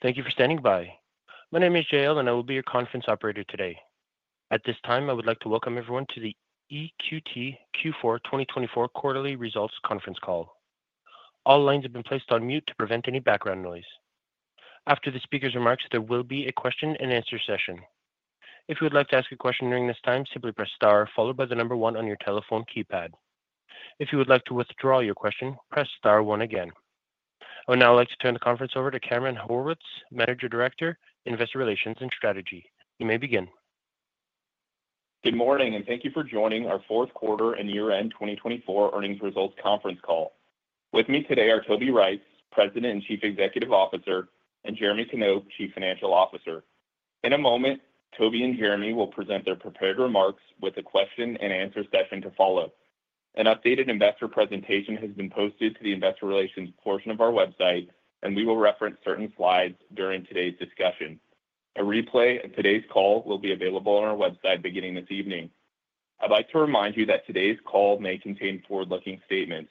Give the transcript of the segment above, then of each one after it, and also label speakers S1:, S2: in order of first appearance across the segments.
S1: Thank you for standing by. My name is Jael and I will be your conference operator today. At this time, I would like to welcome everyone to the EQT Q4 2024 quarterly results conference call. All lines have been placed on mute to prevent any background noise. After the speaker's remarks, there will be a question-and-answer session. If you would like to ask a question during this time, simply press star followed by the number one on your telephone keypad. If you would like to withdraw your question, press star one again. I would now like to turn the conference over to Cameron Horwitz, Managing Director, Investor Relations and Strategy. You may begin.
S2: Good morning and thank you for joining our fourth quarter and year-end 2024 earnings results conference call. With me today are Toby Rice, President and Chief Executive Officer, and Jeremy Knop, Chief Financial Officer. In a moment, Toby and Jeremy will present their prepared remarks with a question-and-answer session to follow. An updated investor presentation has been posted to the investor relations portion of our website, and we will reference certain slides during today's discussion. A replay of today's call will be available on our website beginning this evening. I'd like to remind you that today's call may contain forward-looking statements.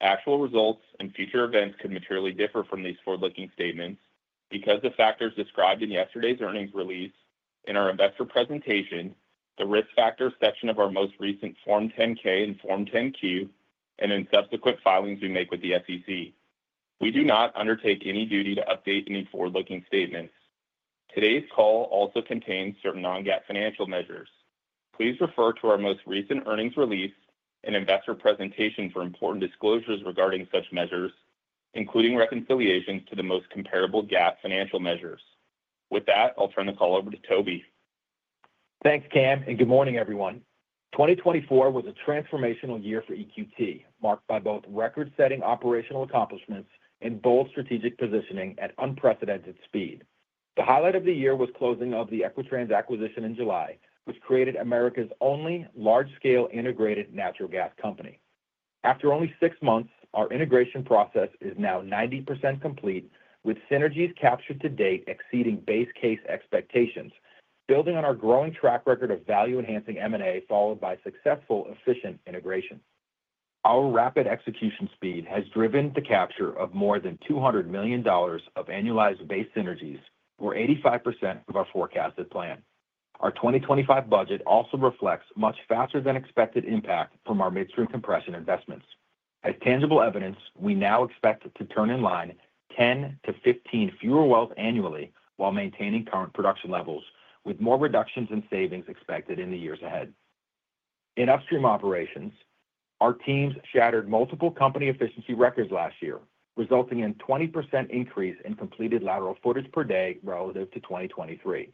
S2: Actual results and future events could materially differ from these forward-looking statements because of factors described in yesterday's earnings release, in our investor presentation, the risk factor section of our most recent Form 10-K and Form 10-Q, and in subsequent filings we make with the SEC. We do not undertake any duty to update any forward-looking statements. Today's call also contains certain non-GAAP financial measures. Please refer to our most recent earnings release and investor presentation for important disclosures regarding such measures, including reconciliations to the most comparable GAAP financial measures. With that, I'll turn the call over to Toby.
S3: Thanks, Cam, and good morning, everyone. 2024 was a transformational year for EQT, marked by both record-setting operational accomplishments and bold strategic positioning at unprecedented speed. The highlight of the year was closing of the Equitrans acquisition in July, which created America's only large-scale integrated natural gas company. After only six months, our integration process is now 90% complete, with synergies captured to date exceeding base case expectations, building on our growing track record of value-enhancing M&A followed by successful, efficient integration. Our rapid execution speed has driven the capture of more than $200 million of annualized base synergies, or 85% of our forecasted plan. Our 2025 budget also reflects much faster-than-expected impact from our midstream compression investments. As tangible evidence, we now expect to turn in line 10-15 fewer wells annually while maintaining current production levels, with more reductions in savings expected in the years ahead. In upstream operations, our teams shattered multiple company efficiency records last year, resulting in a 20% increase in completed lateral footage per day relative to 2023.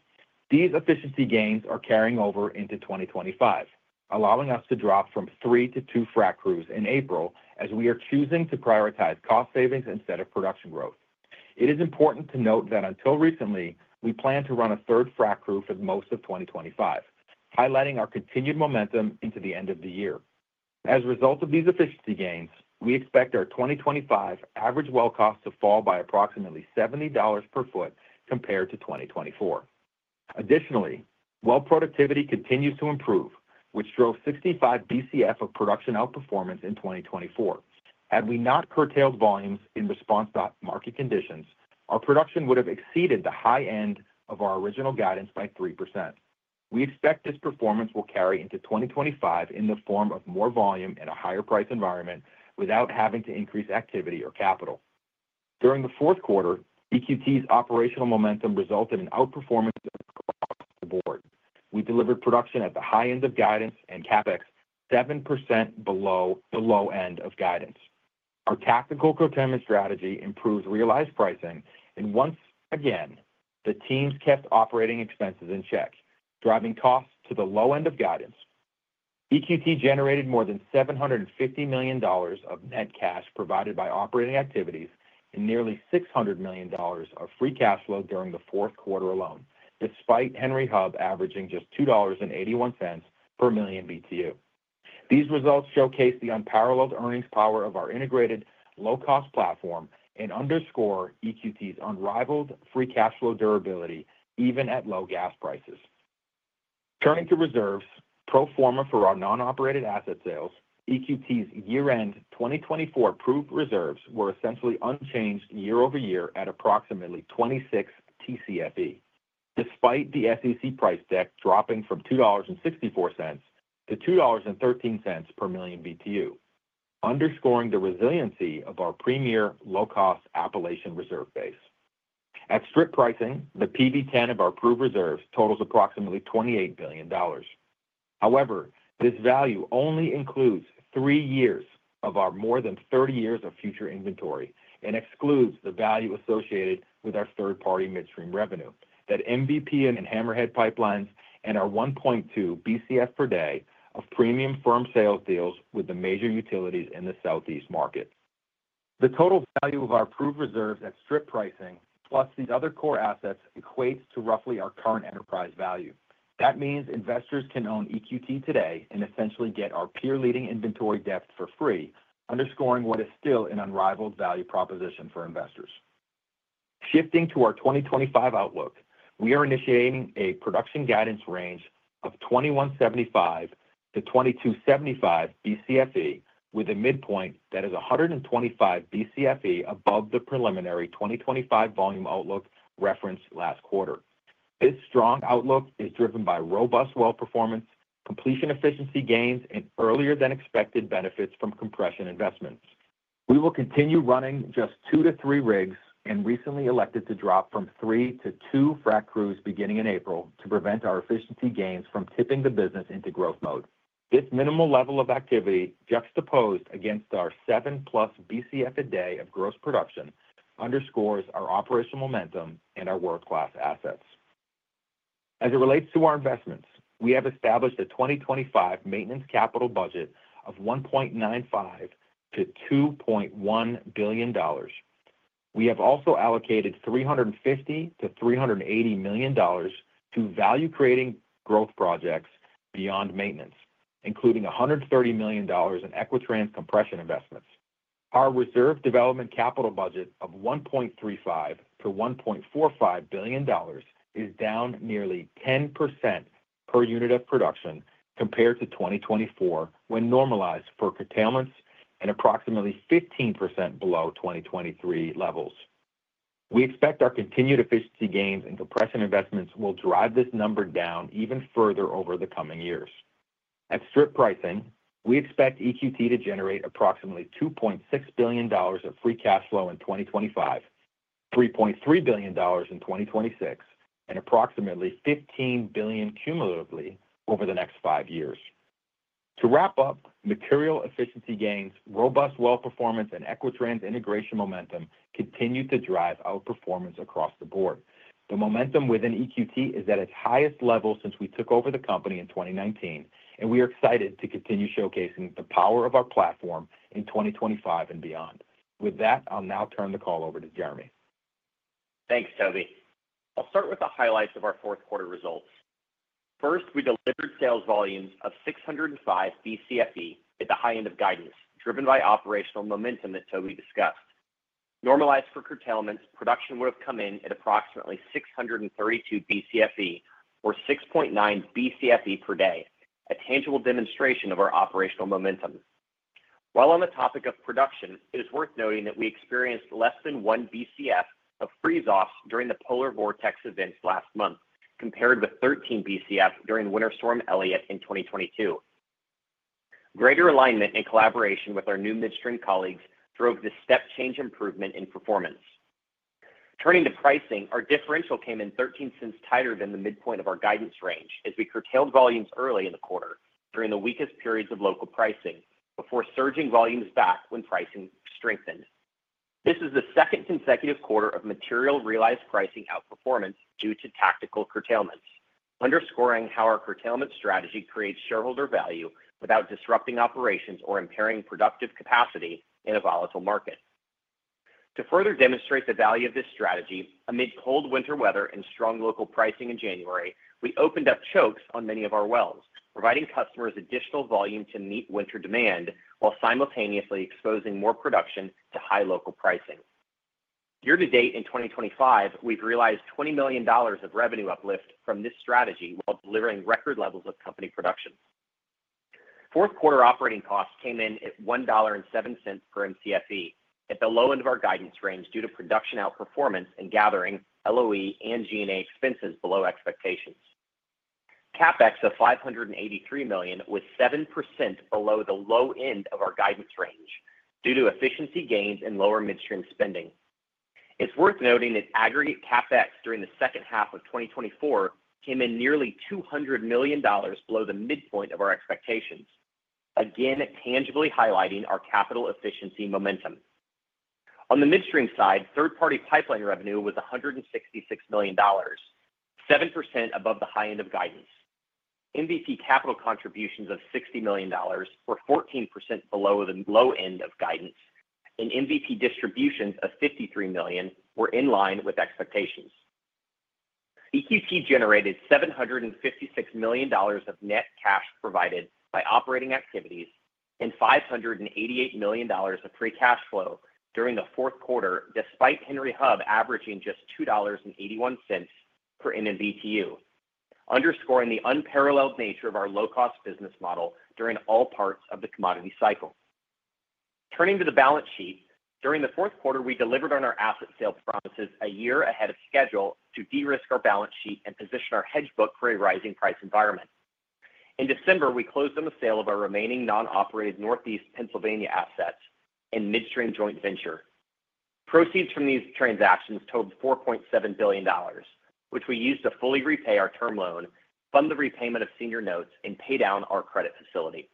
S3: These efficiency gains are carrying over into 2025, allowing us to drop from three to two frac crews in April as we are choosing to prioritize cost savings instead of production growth. It is important to note that until recently, we plan to run a third frac crew for most of 2025, highlighting our continued momentum into the end of the year. As a result of these efficiency gains, we expect our 2025 average well cost to fall by approximately $70 per foot compared to 2024. Additionally, well productivity continues to improve, which drove 65 Bcf of production outperformance in 2024. Had we not curtailed volumes in response to market conditions, our production would have exceeded the high end of our original guidance by 3%. We expect this performance will carry into 2025 in the form of more volume in a higher price environment without having to increase activity or capital. During the fourth quarter, EQT's operational momentum resulted in outperformance across the board. We delivered production at the high end of guidance and CapEx 7% below the low end of guidance. Our tactical procurement strategy improved realized pricing, and once again, the teams kept operating expenses in check, driving costs to the low end of guidance. EQT generated more than $750 million of net cash provided by operating activities and nearly $600 million of free cash flow during the fourth quarter alone, despite Henry Hub averaging just $2.81 per million BTU. These results showcase the unparalleled earnings power of our integrated low-cost platform and underscore EQT's unrivaled free cash flow durability, even at low gas prices. Turning to reserves, pro forma for our non-operated asset sales, EQT's year-end 2024 proved reserves were essentially unchanged year over year at approximately 26 Tcfe, despite the SEC price deck dropping from $2.64 to $2.13 per million BTU, underscoring the resiliency of our premier low-cost Appalachian reserve base. At strip pricing, the PV-10 of our proved reserves totals approximately $28 billion. However, this value only includes three years of our more than 30 years of future inventory and excludes the value associated with our third-party midstream revenue, that MVP and Hammerhead pipelines, and our 1.2 Bcf per day of premium firm sales deals with the major utilities in the Southeast market. The total value of our proved reserves at strip pricing, plus the other core assets, equates to roughly our current enterprise value. That means investors can own EQT today and essentially get our peer-leading inventory depth for free, underscoring what is still an unrivaled value proposition for investors. Shifting to our 2025 outlook, we are initiating a production guidance range of 2,175-2,275 BCFE, with a midpoint that is 125 Bcfe above the preliminary 2025 volume outlook referenced last quarter. This strong outlook is driven by robust well performance, completion efficiency gains, and earlier-than-expected benefits from compression investments. We will continue running just two to three rigs and recently elected to drop from three to two frac crews beginning in April to prevent our efficiency gains from tipping the business into growth mode. This minimal level of activity, juxtaposed against our 7-plus Bcf a day of gross production, underscores our operational momentum and our world-class assets. As it relates to our investments, we have established a 2025 maintenance capital budget of $1.95-2.1 billion. We have also allocated $350-380 million to value-creating growth projects beyond maintenance, including $130 million in Equitrans compression investments. Our reserve development capital budget of $1.35-1.45 billion is down nearly 10% per unit of production compared to 2024 when normalized for curtailments and approximately 15% below 2023 levels. We expect our continued efficiency gains and compression investments will drive this number down even further over the coming years. At strip pricing, we expect EQT to generate approximately $2.6 billion of free cash flow in 2025, $3.3 billion in 2026, and approximately $15 billion cumulatively over the next five years. To wrap up, material efficiency gains, robust well performance, and Equitrans integration momentum continue to drive outperformance across the board. The momentum within EQT is at its highest level since we took over the company in 2019, and we are excited to continue showcasing the power of our platform in 2025 and beyond. With that, I'll now turn the call over to Jeremy.
S4: Thanks, Toby. I'll start with the highlights of our fourth quarter results. First, we delivered sales volumes of 605 Bcfe at the high end of guidance, driven by operational momentum that Toby discussed. Normalized for curtailments, production would have come in at approximately 632 Bcfe, or 6.9 Bcfe per day, a tangible demonstration of our operational momentum. While on the topic of production, it is worth noting that we experienced less than one Bcf of freeze-offs during the polar vortex events last month, compared with 13 Bcf during Winter Storm Elliott in 2022. Greater alignment and collaboration with our new midstream colleagues drove the step-change improvement in performance. Turning to pricing, our differential came in $0.13 tighter than the midpoint of our guidance range as we curtailed volumes early in the quarter during the weakest periods of local pricing, before surging volumes back when pricing strengthened. This is the second consecutive quarter of material realized pricing outperformance due to tactical curtailments, underscoring how our curtailment strategy creates shareholder value without disrupting operations or impairing productive capacity in a volatile market. To further demonstrate the value of this strategy, amid cold winter weather and strong local pricing in January, we opened up chokes on many of our wells, providing customers additional volume to meet winter demand while simultaneously exposing more production to high local pricing. Year-to-date in 2025, we've realized $20 million of revenue uplift from this strategy while delivering record levels of company production. Fourth quarter operating costs came in at $1.07 per Mcfe, at the low end of our guidance range due to production outperformance and gathering LOE and G&A expenses below expectations. CapEx of $583 million was 7% below the low end of our guidance range due to efficiency gains and lower midstream spending. It's worth noting that aggregate CapEx during the second half of 2024 came in nearly $200 million below the midpoint of our expectations, again tangibly highlighting our capital efficiency momentum. On the midstream side, third-party pipeline revenue was $166 million, 7% above the high end of guidance. MVP capital contributions of $60 million were 14% below the low end of guidance, and MVP distributions of $53 million were in line with expectations. EQT generated $756 million of net cash provided by operating activities and $588 million of free cash flow during the fourth quarter, despite Henry Hub averaging just $2.81 per MMBtu, underscoring the unparalleled nature of our low-cost business model during all parts of the commodity cycle. Turning to the balance sheet, during the fourth quarter, we delivered on our asset sales promises a year ahead of schedule to de-risk our balance sheet and position our hedge book for a rising price environment. In December, we closed on the sale of our remaining non-operated Northeast Pennsylvania assets and midstream joint venture. Proceeds from these transactions totaled $4.7 billion, which we used to fully repay our term loan, fund the repayment of senior notes, and pay down our credit facility.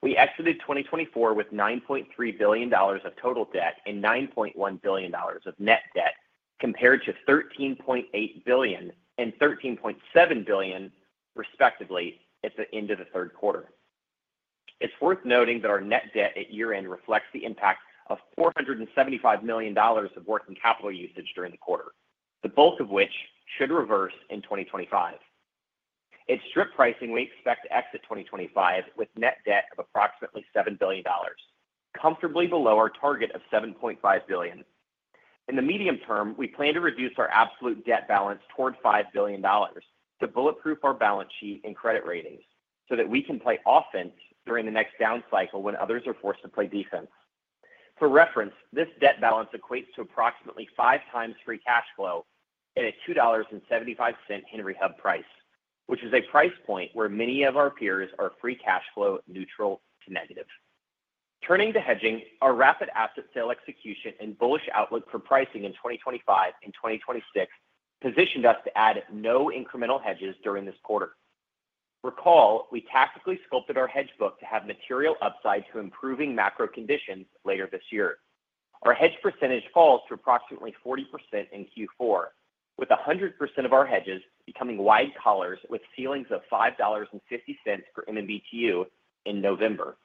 S4: We exited 2024 with $9.3 billion of total debt and $9.1 billion of net debt, compared to $13.8 billion and $13.7 billion, respectively, at the end of the third quarter. It's worth noting that our net debt at year-end reflects the impact of $475 million of working capital usage during the quarter, the bulk of which should reverse in 2025. At strip pricing, we expect to exit 2025 with net debt of approximately $7 billion, comfortably below our target of $7.5 billion. In the medium term, we plan to reduce our absolute debt balance toward $5 billion to bulletproof our balance sheet and credit ratings so that we can play offense during the next down cycle when others are forced to play defense. For reference, this debt balance equates to approximately five times free cash flow at a $2.75 Henry Hub price, which is a price point where many of our peers are free cash flow neutral to negative. Turning to hedging, our rapid asset sale execution and bullish outlook for pricing in 2025 and 2026 positioned us to add no incremental hedges during this quarter. Recall, we tactically sculpted our hedge book to have material upside to improving macro conditions later this year. Our hedge percentage falls to approximately 40% in Q4, with 100% of our hedges becoming wide collars with ceilings of $5.50 per MMBtu in November.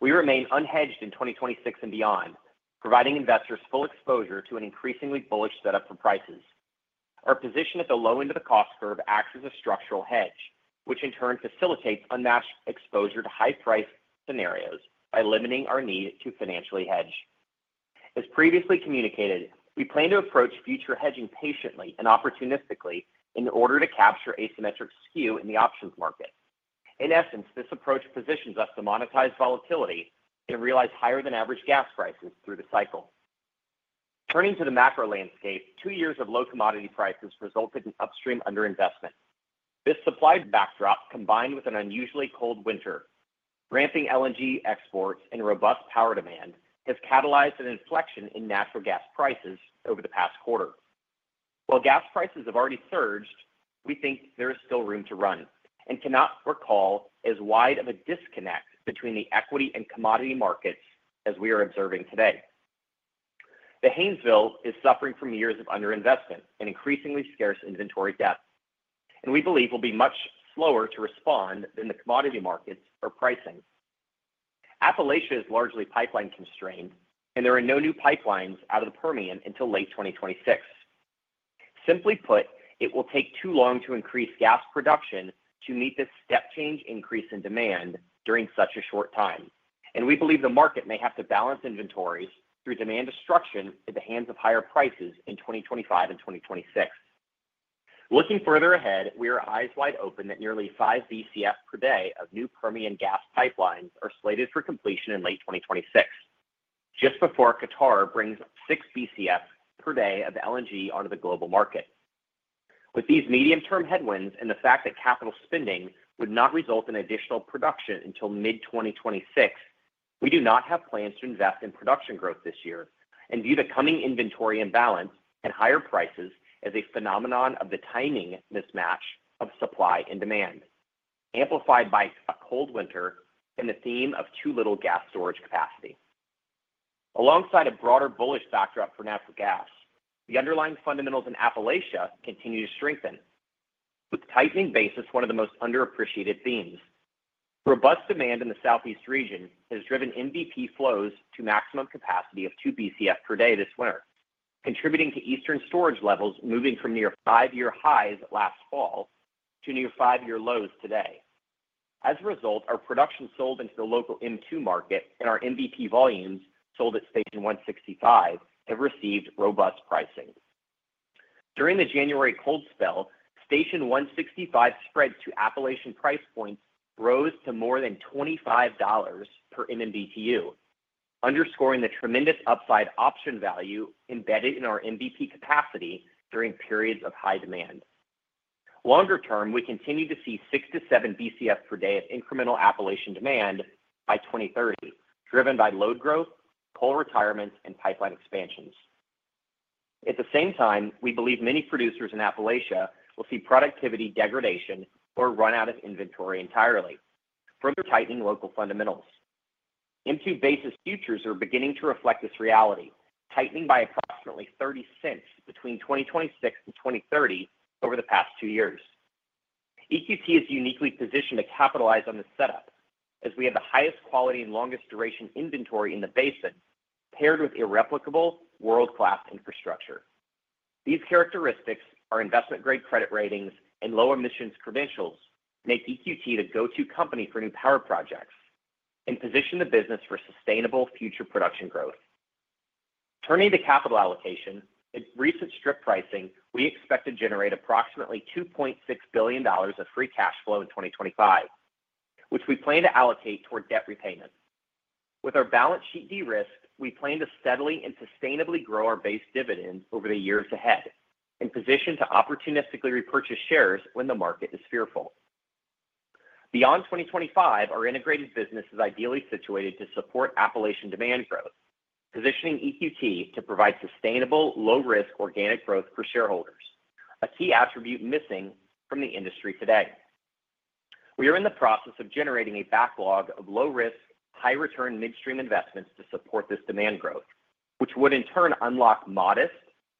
S4: We remain unhedged in 2026 and beyond, providing investors full exposure to an increasingly bullish setup for prices. Our position at the low end of the cost curve acts as a structural hedge, which in turn facilitates unmatched exposure to high-priced scenarios by limiting our need to financially hedge. As previously communicated, we plan to approach future hedging patiently and opportunistically in order to capture asymmetric skew in the options market. In essence, this approach positions us to monetize volatility and realize higher-than-average gas prices through the cycle. Turning to the macro landscape, two years of low commodity prices resulted in upstream underinvestment. This supply backdrop, combined with an unusually cold winter, ramping LNG exports and robust power demand, has catalyzed an inflection in natural gas prices over the past quarter. While gas prices have already surged, we think there is still room to run and cannot recall as wide of a disconnect between the equity and commodity markets as we are observing today. The Haynesville is suffering from years of underinvestment and increasingly scarce inventory depth, and we believe will be much slower to respond than the commodity markets are pricing. Appalachia is largely pipeline constrained, and there are no new pipelines out of the Permian until late 2026. Simply put, it will take too long to increase gas production to meet this step-change increase in demand during such a short time, and we believe the market may have to balance inventories through demand destruction at the hands of higher prices in 2025 and 2026. Looking further ahead, we are eyes wide open that nearly five BCF per day of new Permian gas pipelines are slated for completion in late 2026, just before Qatar brings six BCF per day of LNG onto the global market. With these medium-term headwinds and the fact that capital spending would not result in additional production until mid-2026, we do not have plans to invest in production growth this year and view the coming inventory imbalance and higher prices as a phenomenon of the timing mismatch of supply and demand, amplified by a cold winter and the theme of too little gas storage capacity. Alongside a broader bullish backdrop for natural gas, the underlying fundamentals in Appalachia continue to strengthen, with tightening basis one of the most underappreciated themes. Robust demand in the Southeast region has driven MVP flows to maximum capacity of two BCF per day this winter, contributing to eastern storage levels moving from near five-year highs last fall to near five-year lows today. As a result, our production sold into the local M2 market and our MVP volumes sold at Station 165 have received robust pricing. During the January cold spell, Station 165 spreads to Appalachian price points rose to more than $25 per MMBtu, underscoring the tremendous upside option value embedded in our MVP capacity during periods of high demand. Longer term, we continue to see six to seven BCF per day of incremental Appalachian demand by 2030, driven by load growth, coal retirements, and pipeline expansions. At the same time, we believe many producers in Appalachia will see productivity degradation or run out of inventory entirely, further tightening local fundamentals. M2 basis futures are beginning to reflect this reality, tightening by approximately $0.30 between 2026 and 2030 over the past two years. EQT is uniquely positioned to capitalize on this setup as we have the highest quality and longest duration inventory in the basin, paired with irreplicable world-class infrastructure. These characteristics, our investment-grade credit ratings, and low emissions credentials make EQT the go-to company for new power projects and position the business for sustainable future production growth. Turning to capital allocation, at recent strip pricing, we expect to generate approximately $2.6 billion of free cash flow in 2025, which we plan to allocate toward debt repayment. With our balance sheet de-risked, we plan to steadily and sustainably grow our base dividends over the years ahead and position to opportunistically repurchase shares when the market is fearful. Beyond 2025, our integrated business is ideally situated to support Appalachian demand growth, positioning EQT to provide sustainable, low-risk organic growth for shareholders, a key attribute missing from the industry today. We are in the process of generating a backlog of low-risk, high-return midstream investments to support this demand growth, which would in turn unlock modest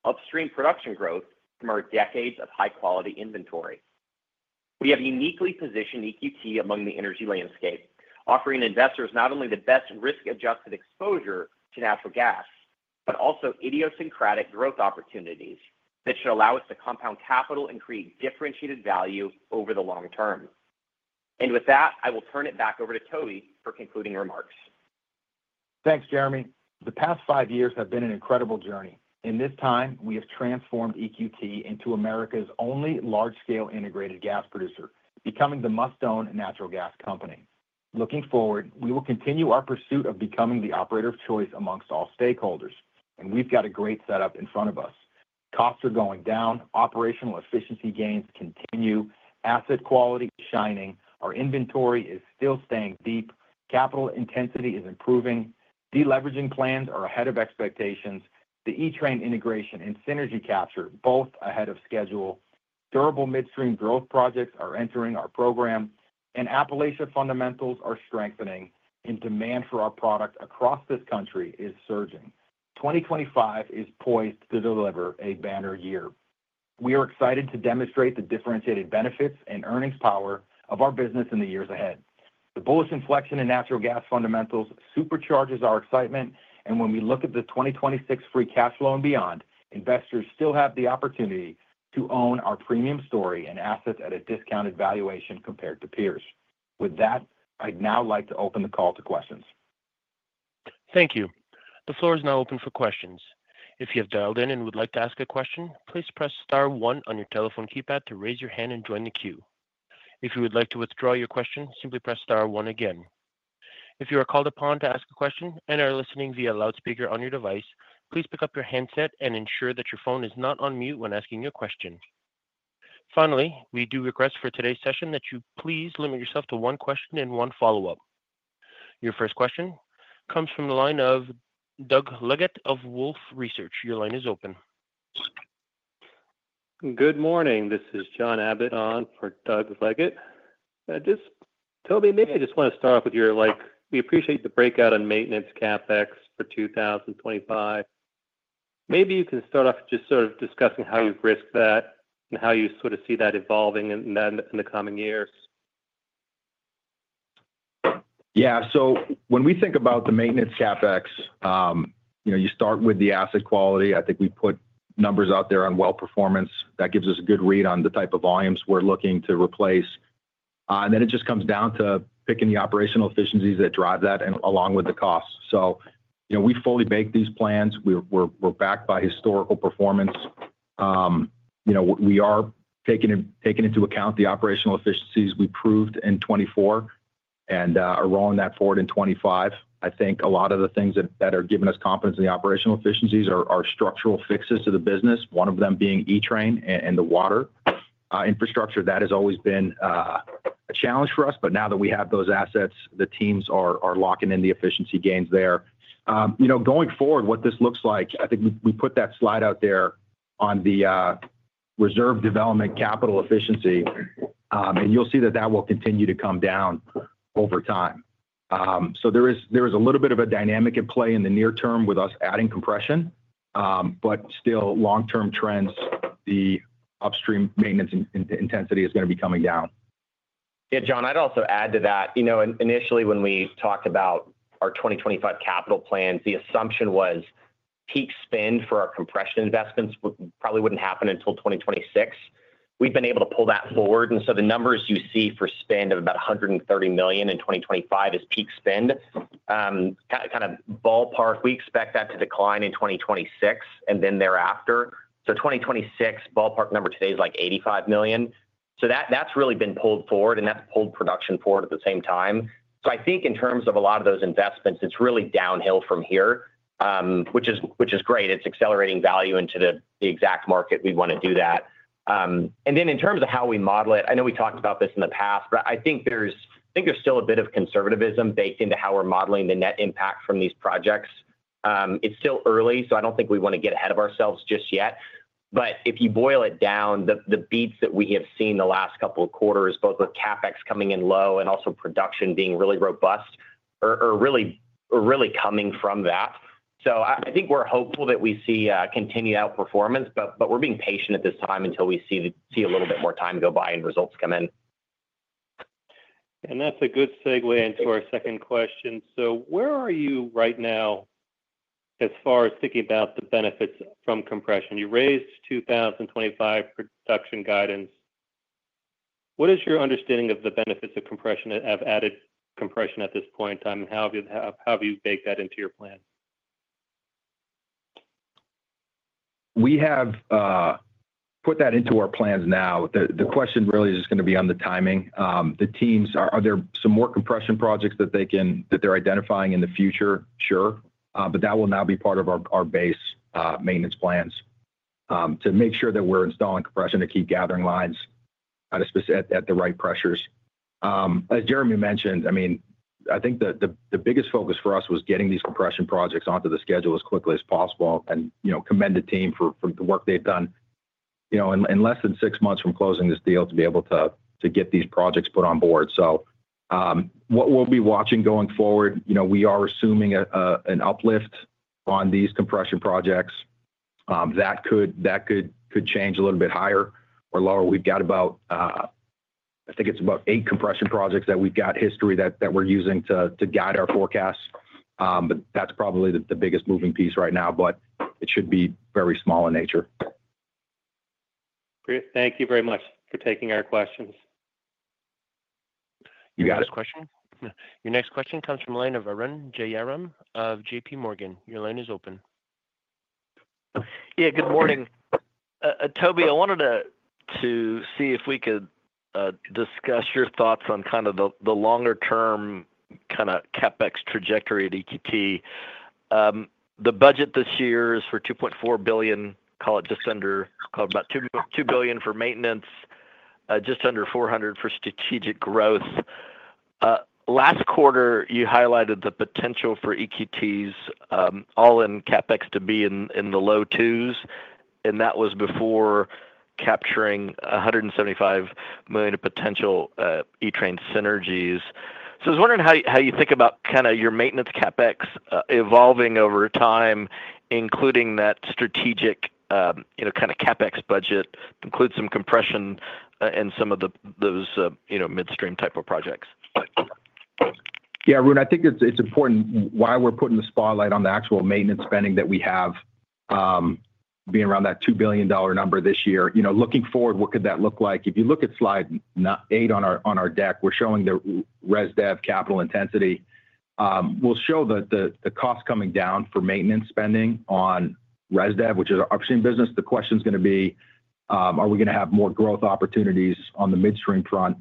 S4: upstream production growth from our decades of high-quality inventory. We have uniquely positioned EQT among the energy landscape, offering investors not only the best risk-adjusted exposure to natural gas, but also idiosyncratic growth opportunities that should allow us to compound capital and create differentiated value over the long term. And with that, I will turn it back over to Toby for concluding remarks.
S3: Thanks, Jeremy. The past five years have been an incredible journey. In this time, we have transformed EQT into America's only large-scale integrated gas producer, becoming the must-own natural gas company. Looking forward, we will continue our pursuit of becoming the operator of choice amongst all stakeholders, and we've got a great setup in front of us. Costs are going down, operational efficiency gains continue, asset quality is shining, our inventory is still staying deep, capital intensity is improving, deleveraging plans are ahead of expectations, the E-Train integration and synergy capture both ahead of schedule, durable midstream growth projects are entering our program, and Appalachia fundamentals are strengthening and demand for our product across this country is surging. 2025 is poised to deliver a banner year. We are excited to demonstrate the differentiated benefits and earnings power of our business in the years ahead. The bullish inflection in natural gas fundamentals supercharges our excitement, and when we look at the 2026 free cash flow and beyond, investors still have the opportunity to own our premium story and assets at a discounted valuation compared to peers. With that, I'd now like to open the call to questions.
S1: Thank you. The floor is now open for questions. If you have dialed in and would like to ask a question, please press star 1 on your telephone keypad to raise your hand and join the queue. If you would like to withdraw your question, simply press star 1 again. If you are called upon to ask a question and are listening via loudspeaker on your device, please pick up your handset and ensure that your phone is not on mute when asking your question. Finally, we do request for today's session that you please limit yourself to one question and one follow-up. Your first question comes from the line of Doug Leggett of Wolfe Research. Your line is open.
S5: Good morning. This is John Abbott on for Doug Leggett. Just, Toby, maybe I just want to start off with your, like, we appreciate the breakout on maintenance CapEx for 2025. Maybe you can start off just sort of discussing how you've risked that and how you sort of see that evolving in the coming years.
S3: Yeah. So when we think about the maintenance CapEx, you start with the asset quality. I think we put numbers out there on well performance. That gives us a good read on the type of volumes we're looking to replace. And then it just comes down to picking the operational efficiencies that drive that along with the costs. So we fully make these plans. We're backed by historical performance. We are taking into account the operational efficiencies we proved in 2024 and are rolling that forward in 2025. I think a lot of the things that are giving us confidence in the operational efficiencies are structural fixes to the business, one of them being E-Train and the water infrastructure. That has always been a challenge for us, but now that we have those assets, the teams are locking in the efficiency gains there. Going forward, what this looks like, I think we put that slide out there on the reserve development capital efficiency, and you'll see that that will continue to come down over time. So there is a little bit of a dynamic at play in the near term with us adding compression, but still, long-term trends, the upstream maintenance intensity is going to be coming down.
S4: Yeah, John, I'd also add to that. Initially, when we talked about our 2025 capital plans, the assumption was peak spend for our compression investments probably wouldn't happen until 2026. We've been able to pull that forward. And so the numbers you see for spend of about $130 million in 2025 is peak spend. Kind of ballpark, we expect that to decline in 2026 and then thereafter. So 2026, ballpark number today is like $85 million. So that's really been pulled forward, and that's pulled production forward at the same time. So I think in terms of a lot of those investments, it's really downhill from here, which is great. It's accelerating value into the exact market we want to do that. And then in terms of how we model it, I know we talked about this in the past, but I think there's still a bit of conservatism baked into how we're modeling the net impact from these projects. It's still early, so I don't think we want to get ahead of ourselves just yet. But if you boil it down, the beats that we have seen the last couple of quarters, both with CapEx coming in low and also production being really robust, are really coming from that. So I think we're hopeful that we see continued outperformance, but we're being patient at this time until we see a little bit more time go by and results come in.
S5: And that's a good segue into our second question. So where are you right now as far as thinking about the benefits from compression? You raised 2025 production guidance. What is your understanding of the benefits of compression that have added compression at this point in time, and how have you baked that into your plan?
S3: We have put that into our plans now. The question really is just going to be on the timing. The teams, are there some more compression projects that they're identifying in the future? Sure. But that will now be part of our base maintenance plans to make sure that we're installing compression to keep gathering lines at the right pressures. As Jeremy mentioned, I mean, I think the biggest focus for us was getting these compression projects onto the schedule as quickly as possible and commend the team for the work they've done in less than six months from closing this deal to be able to get these projects put on board. So what we'll be watching going forward, we are assuming an uplift on these compression projects. That could change a little bit higher or lower. We've got about, I think it's about eight compression projects that we've got history that we're using to guide our forecasts. But that's probably the biggest moving piece right now, but it should be very small in nature.
S5: Great. Thank you very much for taking our questions.
S3: You got it.
S1: Your next question comes from Arun Jayaram of J.P. Morgan. Your line is open.
S6: Yeah, good morning. Toby, I wanted to see if we could discuss your thoughts on kind of the longer-term kind of CapEx trajectory at EQT. The budget this year is for $2.4 billion, call it just under, call it about $2 billion for maintenance, just under $400 for strategic growth. Last quarter, you highlighted the potential for EQT's all in CapEx to be in the low twos, and that was before capturing $175 million of potential E-Train synergies. So I was wondering how you think about kind of your maintenance CapEx evolving over time, including that strategic kind of CapEx budget, include some compression and some of those midstream type of projects.
S3: Yeah, Arun, I think it's important why we're putting the spotlight on the actual maintenance spending that we have being around that $2 billion number this year. Looking forward, what could that look like? If you look at slide eight on our deck, we're showing the res dev capital intensity. We'll show the cost coming down for maintenance spending on res dev, which is our upstream business. The question's going to be, are we going to have more growth opportunities on the midstream front?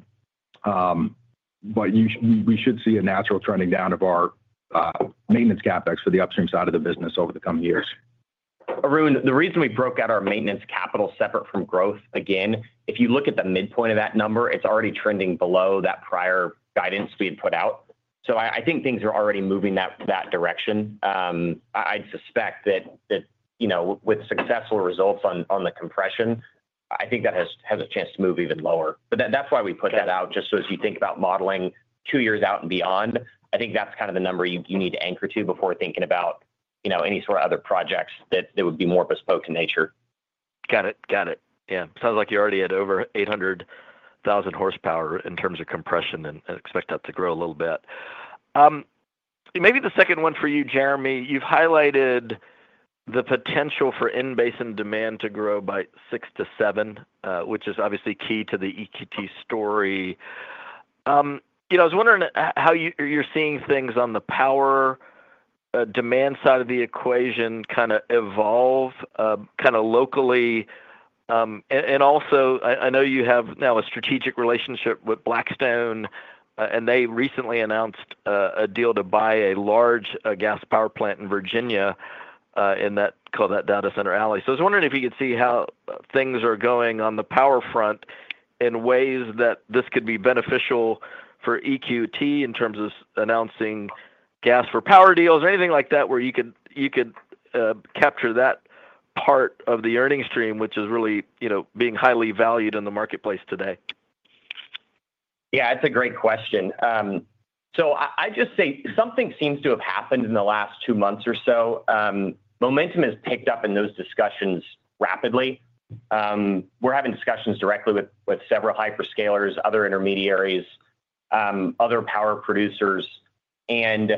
S3: But we should see a natural trending down of our maintenance CapEx for the upstream side of the business over the coming years.
S4: Arun, the reason we broke out our maintenance capital separate from growth, again, if you look at the midpoint of that number, it's already trending below that prior guidance we had put out. So I think things are already moving that direction. I'd suspect that with successful results on the compression, I think that has a chance to move even lower. But that's why we put that out, just so as you think about modeling two years out and beyond, I think that's kind of the number you need to anchor to before thinking about any sort of other projects that would be more bespoke in nature.
S6: Got it. Got it. Yeah. Sounds like you already had over 800,000 horsepower in terms of compression and expect that to grow a little bit. Maybe the second one for you, Jeremy. You've highlighted the potential for in-basin demand to grow by six to seven, which is obviously key to the EQT story. I was wondering how you're seeing things on the power demand side of the equation kind of evolve kind of locally. And also, I know you have now a strategic relationship with Blackstone, and they recently announced a deal to buy a large gas power plant in Virginia in that, call that Data Center Alley. So I was wondering if you could see how things are going on the power front in ways that this could be beneficial for EQT in terms of announcing gas for power deals or anything like that where you could capture that part of the earnings stream, which is really being highly valued in the marketplace today?
S4: Yeah, that's a great question. So I'd just say something seems to have happened in the last two months or so. Momentum has picked up in those discussions rapidly. We're having discussions directly with several hyperscalers, other intermediaries, other power producers. And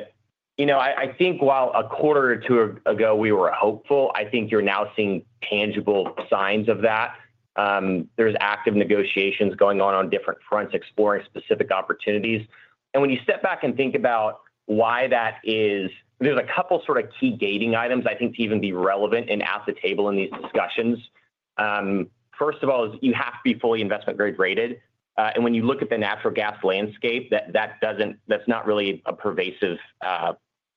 S4: I think while a quarter or two ago we were hopeful, I think you're now seeing tangible signs of that. There's active negotiations going on on different fronts exploring specific opportunities. And when you step back and think about why that is, there's a couple sort of key gating items I think to even be relevant and at the table in these discussions. First of all, you have to be fully investment-grade rated. And when you look at the natural gas landscape, that's not really a pervasive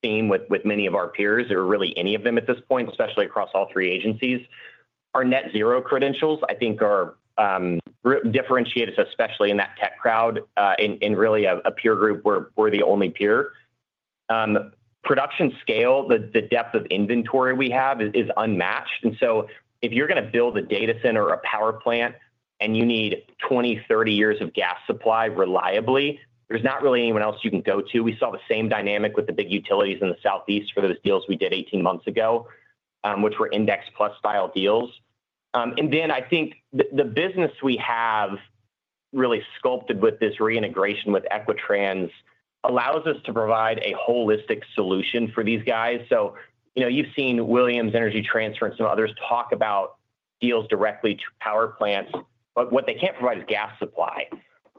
S4: theme with many of our peers or really any of them at this point, especially across all three agencies. Our net zero credentials, I think, are differentiated especially in that tech crowd in really a peer group where we're the only peer. Production scale, the depth of inventory we have is unmatched. And so if you're going to build a data center or a power plant and you need 20, 30 years of gas supply reliably, there's not really anyone else you can go to. We saw the same dynamic with the big utilities in the Southeast for those deals we did 18 months ago, which were index plus style deals. And then I think the business we have really sculpted with this reintegration with Equitrans allows us to provide a holistic solution for these guys. So you've seen Williams Energy Transfer and some others talk about deals directly to power plants, but what they can't provide is gas supply.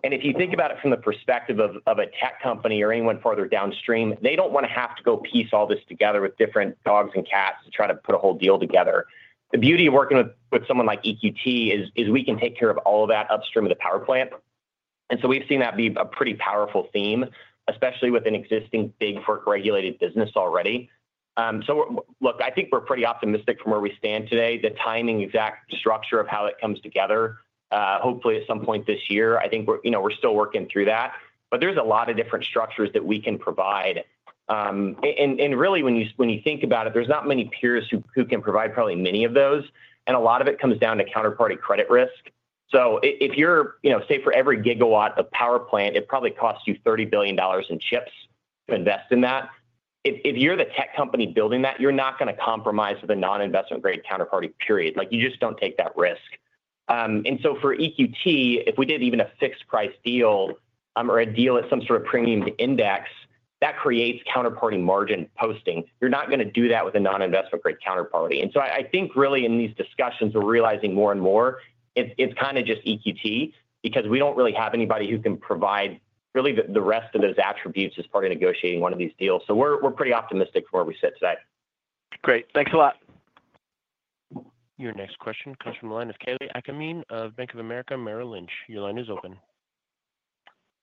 S4: And if you think about it from the perspective of a tech company or anyone further downstream, they don't want to have to go piece all this together with different dogs and cats to try to put a whole deal together. The beauty of working with someone like EQT is we can take care of all of that upstream of the power plant. And so we've seen that be a pretty powerful theme, especially with an existing Bigfork regulated business already. So look, I think we're pretty optimistic from where we stand today. The timing, exact structure of how it comes together, hopefully at some point this year, I think we're still working through that. But there's a lot of different structures that we can provide. And really, when you think about it, there's not many peers who can provide probably many of those. And a lot of it comes down to counterparty credit risk. So if you're, say, for every gigawatt of power plant, it probably costs you $30 billion in chips to invest in that. If you're the tech company building that, you're not going to compromise with a non-investment-grade counterparty, period. You just don't take that risk. And so for EQT, if we did even a fixed price deal or a deal at some sort of premium index, that creates counterparty margin posting. You're not going to do that with a non-investment-grade counterparty. And so I think really in these discussions, we're realizing more and more it's kind of just EQT because we don't really have anybody who can provide really the rest of those attributes as part of negotiating one of these deals. So we're pretty optimistic for where we sit today.
S6: Great. Thanks a lot.
S1: Your next question comes from Kalei Akamine of Bank of America Merrill Lynch. Your line is open.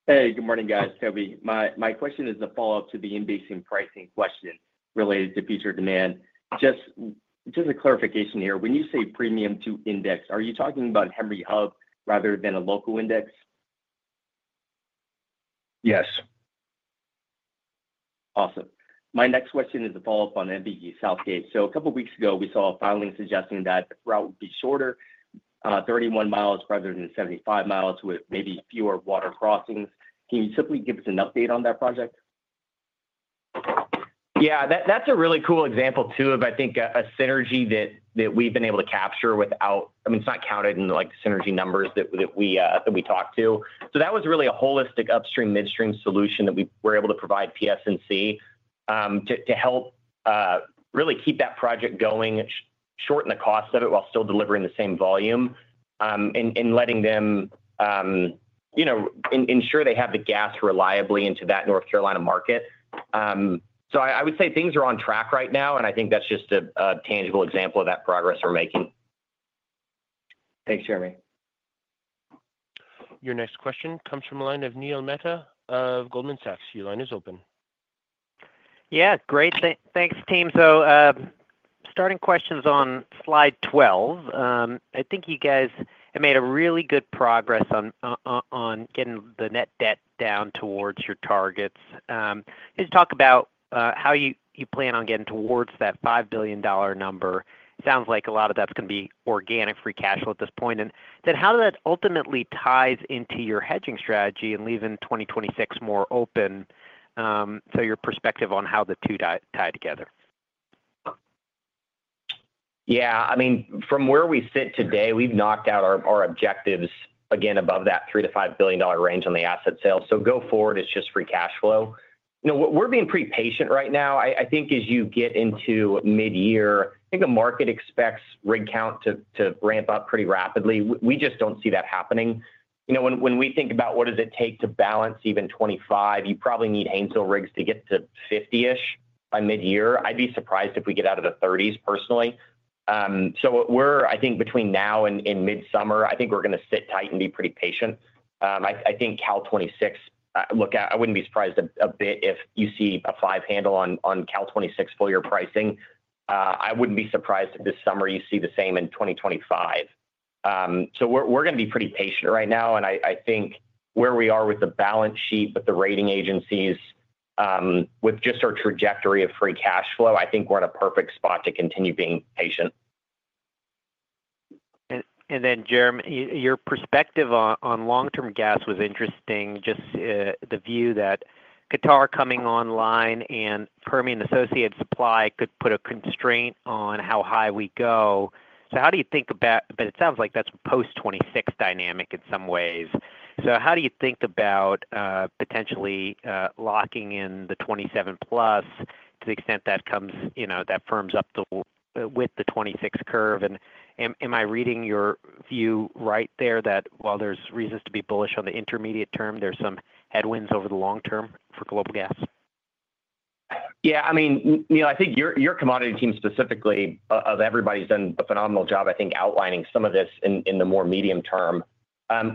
S7: Hey, good morning, guys. Toby, my question is a follow-up to the indexing pricing question related to future demand. Just a clarification here. When you say premium to index, are you talking about Henry Hub rather than a local index?
S3: Yes.
S7: Awesome. My next question is a follow-up on MVP Southgate. So a couple of weeks ago, we saw a filing suggesting that the route would be shorter, 31 miles rather than 75 miles with maybe fewer water crossings. Can you simply give us an update on that project?
S4: Yeah, that's a really cool example too of, I think, a synergy that we've been able to capture without, I mean, it's not counted in the synergy numbers that we talked to. So that was really a holistic upstream midstream solution that we were able to provide PSNC to help really keep that project going, shorten the cost of it while still delivering the same volume, and letting them ensure they have the gas reliably into that North Carolina market. So I would say things are on track right now, and I think that's just a tangible example of that progress we're making.
S7: Thanks, Jeremy.
S1: Your next question comes from a line of Neil Mehta of Goldman Sachs. Your line is open.
S8: Yeah, great. Thanks, team. So starting questions on slide 12. I think you guys have made really good progress on getting the net debt down towards your targets. Let's talk about how you plan on getting towards that $5 billion number. Sounds like a lot of that's going to be organic free cash flow at this point. And then how does that ultimately tie into your hedging strategy and leaving 2026 more open? So your perspective on how the two tie together.
S4: Yeah, I mean, from where we sit today, we've knocked out our objectives again above that $3-$5 billion range on the asset sales. So go forward, it's just free cash flow. We're being pretty patient right now. I think as you get into mid-year, I think the market expects rig count to ramp up pretty rapidly. We just don't see that happening. When we think about what does it take to balance even 25, you probably need Haynesville rigs to get to 50-ish by mid-year. I'd be surprised if we get out of the 30s personally. So we're, I think, between now and mid-summer, I think we're going to sit tight and be pretty patient. I think Cal 2026, look, I wouldn't be surprised a bit if you see a five handle on Cal 2026 full year pricing. I wouldn't be surprised if this summer you see the same in 2025. So we're going to be pretty patient right now. And I think where we are with the balance sheet with the rating agencies, with just our trajectory of free cash flow, I think we're in a perfect spot to continue being patient.
S8: And then, Jeremy, your perspective on long-term gas was interesting, just the view that qatar coming online and Permian associated supply could put a constraint on how high we go. So how do you think about, but it sounds like that's a post-2026 dynamic in some ways. So how do you think about potentially locking in the 2027 plus to the extent that firms up with the 2026 curve? And am I reading your view right there that while there's reasons to be bullish on the intermediate term, there's some headwinds over the long term for global gas?
S4: Yeah, I mean, I think your commodity team specifically, of everybody's done a phenomenal job, I think, outlining some of this in the more medium term.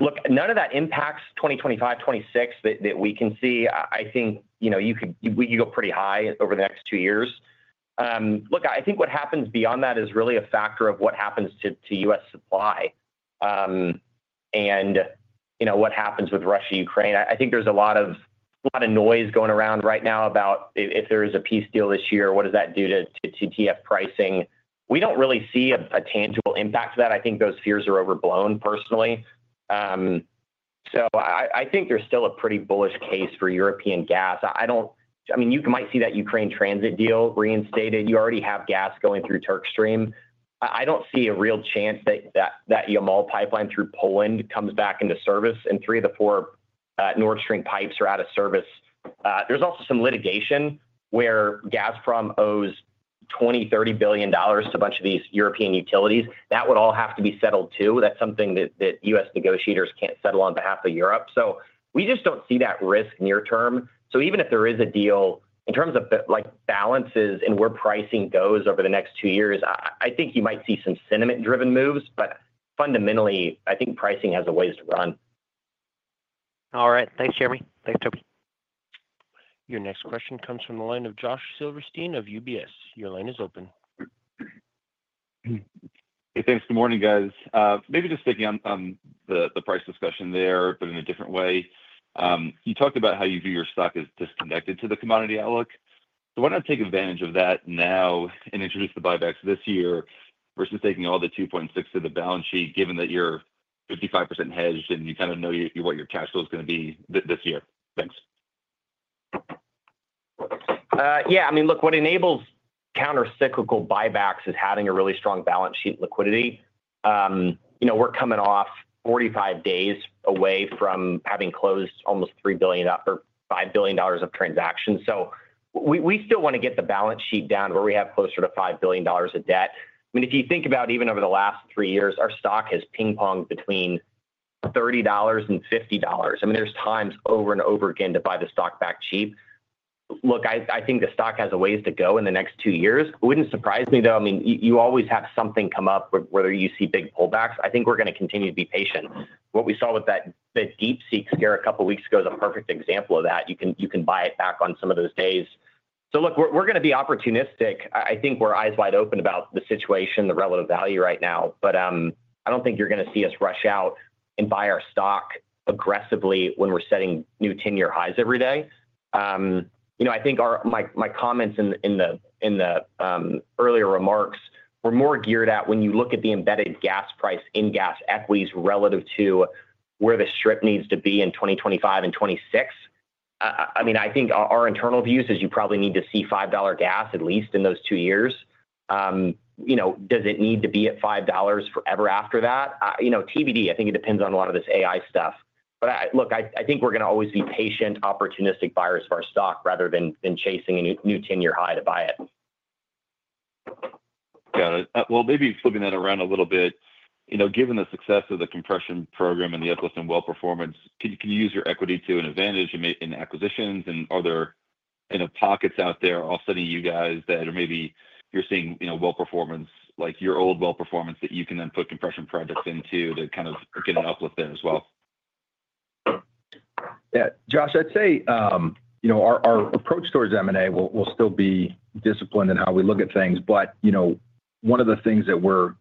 S4: Look, none of that impacts 2025, 2026 that we can see. I think you could go pretty high over the next two years. Look, I think what happens beyond that is really a factor of what happens to U.S. supply and what happens with Russia, Ukraine. I think there's a lot of noise going around right now about if there is a peace deal this year, what does that do to TTF pricing. We don't really see a tangible impact to that. I think those fears are overblown personally. So I think there's still a pretty bullish case for European gas. I mean, you might see that Ukraine transit deal reinstated. You already have gas going through TurkStream. I don't see a real chance that the Yamal pipeline through Poland comes back into service, and three of the four Nord Stream pipes are out of service. There's also some litigation where Gazprom owes $20-30 billion to a bunch of these European utilities. That would all have to be settled too. That's something that U.S. negotiators can't settle on behalf of Europe. So we just don't see that risk near term. So even if there is a deal in terms of balances and where pricing goes over the next two years, I think you might see some sentiment-driven moves. But fundamentally, I think pricing has a ways to run.
S8: All right. Thanks, Jeremy. Thanks, Toby.
S1: Your next question comes from the line of Josh Silverstein of UBS. Your line is open.
S9: Hey, thanks. Good morning, guys. Maybe just thinking on the price discussion there, but in a different way. You talked about how you view your stock as disconnected to the commodity outlook. So why not take advantage of that now and introduce the buybacks this year versus taking all the $2.6 billion to the balance sheet, given that you're 55% hedged and you kind of know what your cash flow is going to be this year? Thanks.
S4: Yeah, I mean, look, what enables countercyclical buybacks is having a really strong balance sheet liquidity. We're coming off 45 days away from having closed almost $3 billion or $5 billion of transactions. So we still want to get the balance sheet down to where we have closer to $5 billion of debt. I mean, if you think about even over the last three years, our stock has ping-ponged between $30 and $50. I mean, there's times over and over again to buy the stock back cheap. Look, I think the stock has a ways to go in the next two years. It wouldn't surprise me though. I mean, you always have something come up whether you see big pullbacks. I think we're going to continue to be patient. What we saw with that DeepSeek scare a couple of weeks ago is a perfect example of that. You can buy it back on some of those days. So look, we're going to be opportunistic. I think we're eyes wide open about the situation, the relative value right now. But I don't think you're going to see us rush out and buy our stock aggressively when we're setting new 10-year highs every day. I think my comments in the earlier remarks were more geared at when you look at the embedded gas price in gas equities relative to where the strip needs to be in 2025 and 2026. I mean, I think our internal views is you probably need to see $5 gas at least in those two years. Does it need to be at $5 forever after that? TBD, I think it depends on a lot of this AI stuff. But look, I think we're going to always be patient, opportunistic buyers for our stock rather than chasing a new 10-year high to buy it.
S9: Got it. Maybe flipping that around a little bit, given the success of the compression program and the uplift in well performance, can you use your equity to an advantage in acquisitions and other pockets out there? I'll send you guys that are maybe you're seeing well performance, like your old well performance that you can then put compression projects into to kind of get an uplift there as well.
S3: Yeah, Josh, I'd say our approach towards M&A will still be disciplined in how we look at things. But one of the things that we're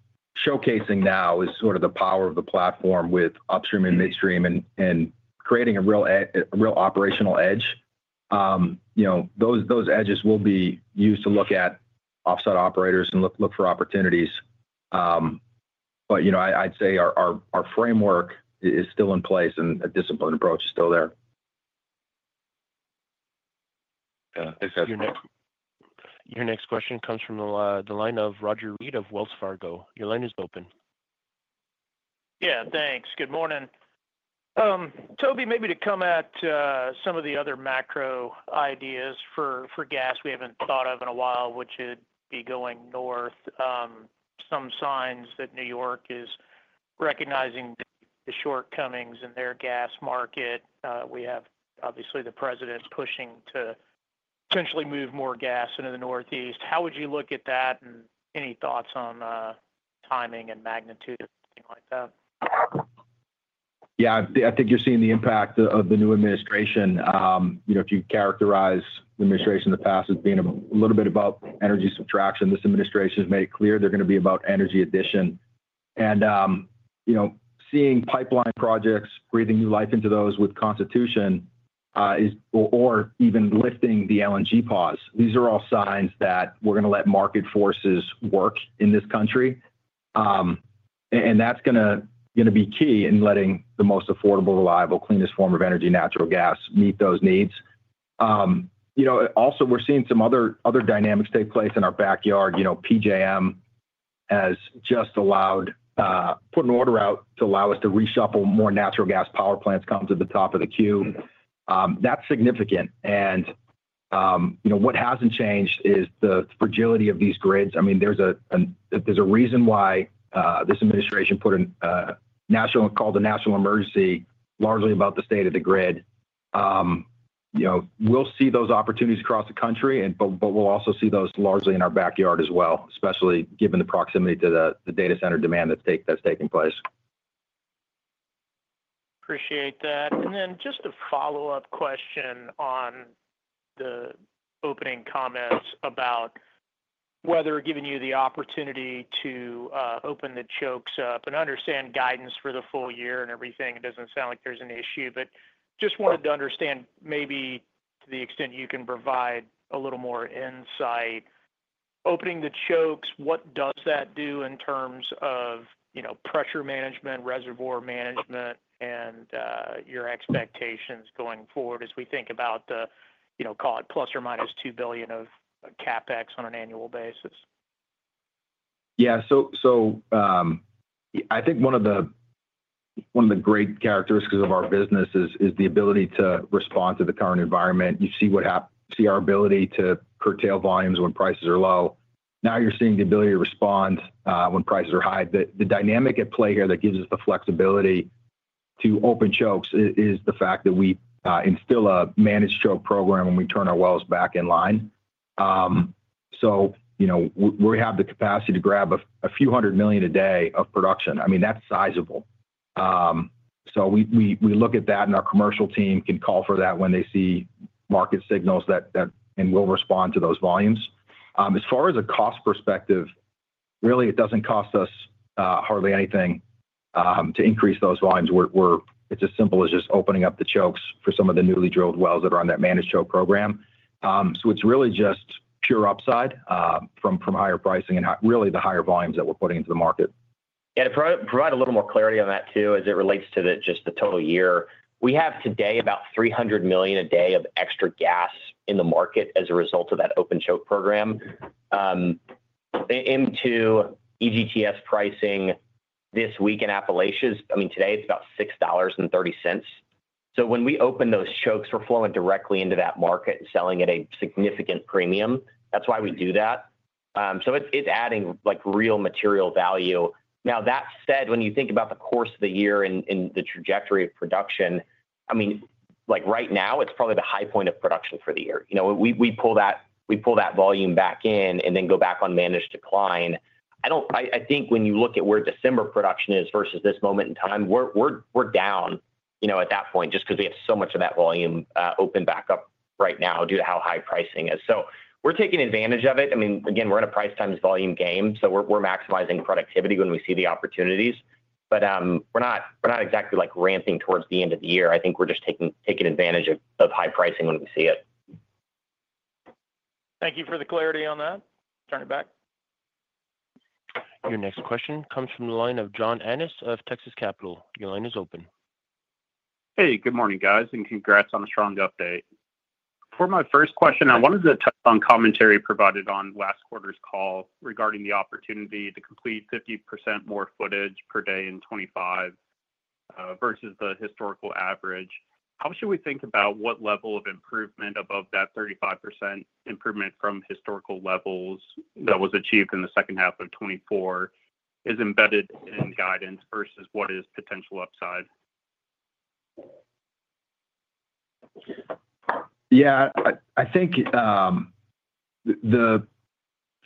S3: showcasing now is sort of the power of the platform with upstream and midstream and creating a real operational edge. Those edges will be used to look at offset operators and look for opportunities. But I'd say our framework is still in place and a disciplined approach is still there.
S9: Got it. Thanks, guys.
S1: Your next question comes from the line of Roger Read of Wells Fargo. Your line is open.
S10: Yeah, thanks. Good morning. Toby, maybe to come at some of the other macro ideas for gas we haven't thought of in a while, which would be going north, some signs that New York is recognizing the shortcomings in their gas market. We have obviously the president pushing to essentially move more gas into the Northeast. How would you look at that and any thoughts on timing and magnitude of anything like that?
S3: Yeah, I think you're seeing the impact of the new administration. If you characterize the administration in the past as being a little bit about energy subtraction, this administration has made it clear they're going to be about energy addition. And seeing pipeline projects breathing new life into those with constitution or even lifting the LNG pause, these are all signs that we're going to let market forces work in this country. And that's going to be key in letting the most affordable, reliable, cleanest form of energy, natural gas, meet those needs. Also, we're seeing some other dynamics take place in our backyard. PJM has just allowed put an order out to allow us to reshuffle more natural gas power plants come to the top of the queue. That's significant. And what hasn't changed is the fragility of these grids. I mean, there's a reason why this administration declared a national emergency largely about the state of the grid. We'll see those opportunities across the country, but we'll also see those largely in our backyard as well, especially given the proximity to the data center demand that's taking place.
S10: Appreciate that. And then just a follow-up question on the opening comments about whether giving you the opportunity to open the chokes up and understand guidance for the full year and everything? It doesn't sound like there's an issue, but just wanted to understand maybe to the extent you can provide a little more insight. Opening the chokes, what does that do in terms of pressure management, reservoir management, and your expectations going forward as we think about the, call it ± $2 billion of CapEx on an annual basis?
S3: Yeah, so I think one of the great characteristics of our business is the ability to respond to the current environment. You see our ability to curtail volumes when prices are low. Now you're seeing the ability to respond when prices are high. The dynamic at play here that gives us the flexibility to open chokes is the fact that we instill a managed choke program when we turn our wells back in line. So we have the capacity to grab a few hundred million a day of production. I mean, that's sizable. So we look at that and our commercial team can call for that when they see market signals and we'll respond to those volumes. As far as a cost perspective, really it doesn't cost us hardly anything to increase those volumes. It's as simple as just opening up the chokes for some of the newly drilled wells that are on that managed choke program. So it's really just pure upside from higher pricing and really the higher volumes that we're putting into the market.
S4: Yeah, to provide a little more clarity on that too as it relates to just the total year, we have today about 300 million a day of extra gas in the market as a result of that open choke program. Into EGTS pricing this week in Appalachia, I mean, today it's about $6.30. So when we open those chokes, we're flowing directly into that market and selling at a significant premium. That's why we do that. So it's adding real material value. Now that said, when you think about the course of the year and the trajectory of production, I mean, right now it's probably the high point of production for the year. We pull that volume back in and then go back on managed decline. I think when you look at where December production is versus this moment in time, we're down at that point just because we have so much of that volume open back up right now due to how high pricing is. So we're taking advantage of it. I mean, again, we're in a price times volume game. So we're maximizing productivity when we see the opportunities. But we're not exactly ramping towards the end of the year. I think we're just taking advantage of high pricing when we see it.
S10: Thank you for the clarity on that. Turn it back.
S1: Your next question comes from the line of John Ennis of Texas Capital. Your line is open.
S11: Hey, good morning, guys, and congrats on a strong update. For my first question, I wanted to touch on commentary provided on last quarter's call regarding the opportunity to complete 50% more footage per day in 2025 versus the historical average. How should we think about what level of improvement above that 35% improvement from historical levels that was achieved in the second half of 2024 is embedded in guidance versus what is potential upside?
S3: Yeah, I think the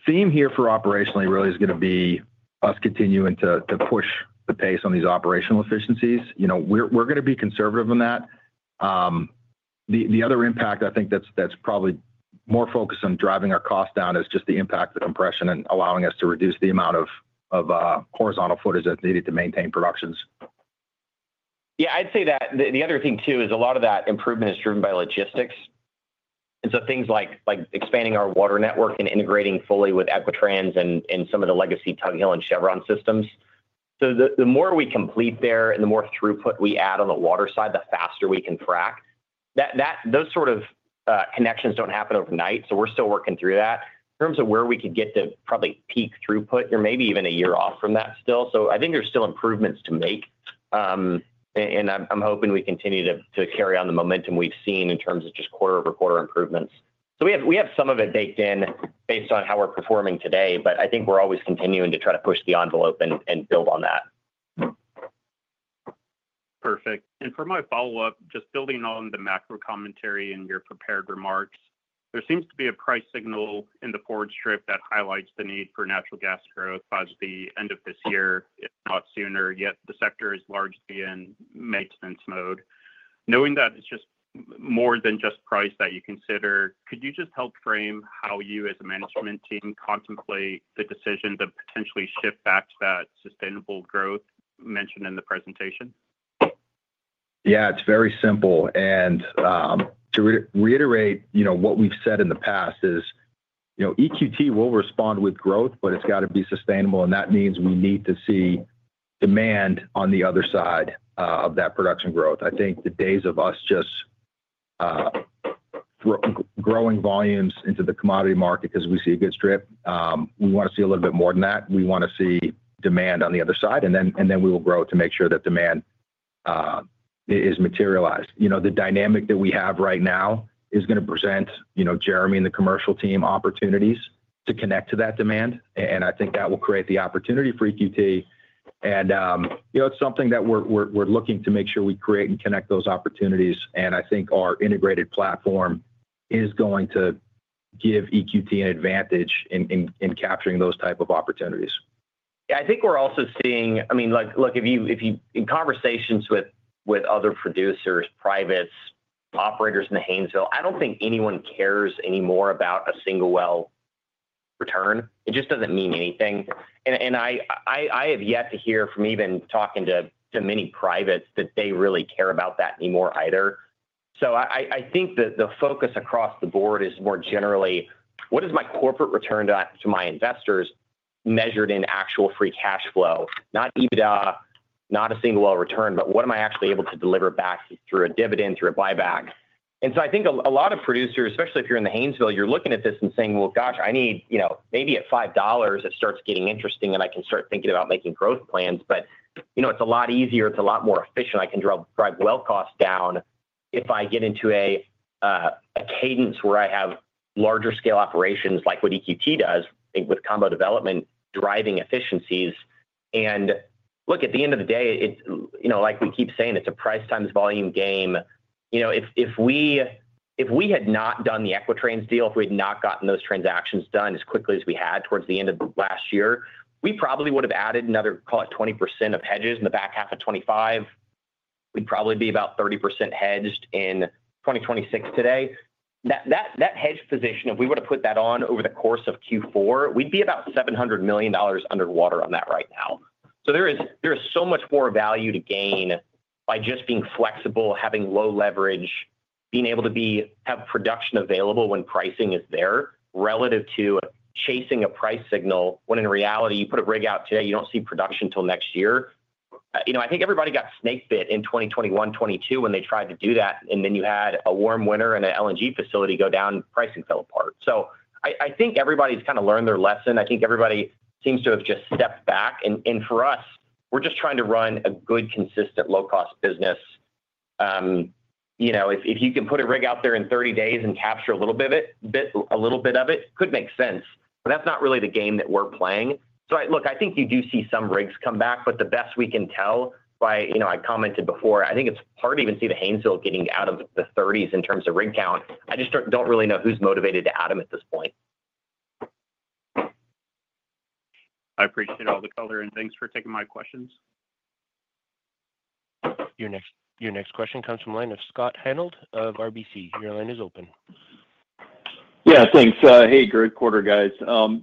S3: theme here for operationally really is going to be us continuing to push the pace on these operational efficiencies. We're going to be conservative on that. The other impact I think that's probably more focused on driving our cost down is just the impact of compression and allowing us to reduce the amount of horizontal footage that's needed to maintain productions.
S4: Yeah, I'd say that the other thing too is a lot of that improvement is driven by logistics. And so things like expanding our water network and integrating fully with Equitrans and some of the legacy Tug Hill and Chevron systems. So the more we complete there and the more throughput we add on the water side, the faster we can frac. Those sort of connections don't happen overnight. So we're still working through that. In terms of where we could get to probably peak throughput, you're maybe even a year off from that still. So I think there's still improvements to make. And I'm hoping we continue to carry on the momentum we've seen in terms of just quarter over quarter improvements. So we have some of it baked in based on how we're performing today, but I think we're always continuing to try to push the envelope and build on that.
S11: Perfect. And for my follow-up, just building on the macro commentary and your prepared remarks, there seems to be a price signal in the forward strip that highlights the need for natural gas growth by the end of this year, if not sooner. Yet the sector is largely in maintenance mode. Knowing that it's just more than just price that you consider, could you just help frame how you as a management team contemplate the decision to potentially shift back to that sustainable growth mentioned in the presentation?
S3: Yeah, it's very simple. And to reiterate what we've said in the past is EQT will respond with growth, but it's got to be sustainable. And that means we need to see demand on the other side of that production growth. I think the days of us just growing volumes into the commodity market because we see a good strip. We want to see a little bit more than that. We want to see demand on the other side. And then we will grow to make sure that demand is materialized. The dynamic that we have right now is going to present Jeremy and the commercial team opportunities to connect to that demand. And I think that will create the opportunity for EQT. And it's something that we're looking to make sure we create and connect those opportunities. I think our integrated platform is going to give EQT an advantage in capturing those type of opportunities.
S4: Yeah, I think we're also seeing, I mean, look, in conversations with other producers, privates, operators in the Haynesville, I don't think anyone cares anymore about a single well return. It just doesn't mean anything, and I have yet to hear from even talking to many privates that they really care about that anymore either, so I think that the focus across the board is more generally, what is my corporate return to my investors measured in actual free cash flow? Not EBITDA, not a single well return, but what am I actually able to deliver back through a dividend, through a buyback, and so I think a lot of producers, especially if you're in the Haynesville, you're looking at this and saying, well, gosh, I need maybe at $5, it starts getting interesting and I can start thinking about making growth plans, but it's a lot easier. It's a lot more efficient. I can drive well costs down if I get into a cadence where I have larger scale operations like what EQT does, I think with Combo development, driving efficiencies. And look, at the end of the day, like we keep saying, it's a price times volume game. If we had not done the Equitrans deal, if we had not gotten those transactions done as quickly as we had towards the end of last year, we probably would have added another, call it 20% of hedges in the back half of 2025. We'd probably be about 30% hedged in 2026 today. That hedge position, if we were to put that on over the course of Q4, we'd be about $700 million underwater on that right now. So there is so much more value to gain by just being flexible, having low leverage, being able to have production available when pricing is there relative to chasing a price signal when in reality you put a rig out today, you don't see production until next year. I think everybody got snakebit in 2021, 2022 when they tried to do that. And then you had a warm winter and an LNG facility go down, pricing fell apart. So I think everybody's kind of learned their lesson. I think everybody seems to have just stepped back. And for us, we're just trying to run a good, consistent low-cost business. If you can put a rig out there in 30 days and capture a little bit of it, it could make sense. But that's not really the game that we're playing. Look, I think you do see some rigs come back, but the best we can tell as I commented before, I think it's hard to even see the Haynesville getting out of the 30s in terms of rig count. I just don't really know who's motivated to add them at this point.
S11: I appreciate all the color, and thanks for taking my questions.
S1: Your next question comes from the line of Scott Hanold of RBC. Your line is open.
S12: Yeah, thanks. Hey, great quarter, guys. I'll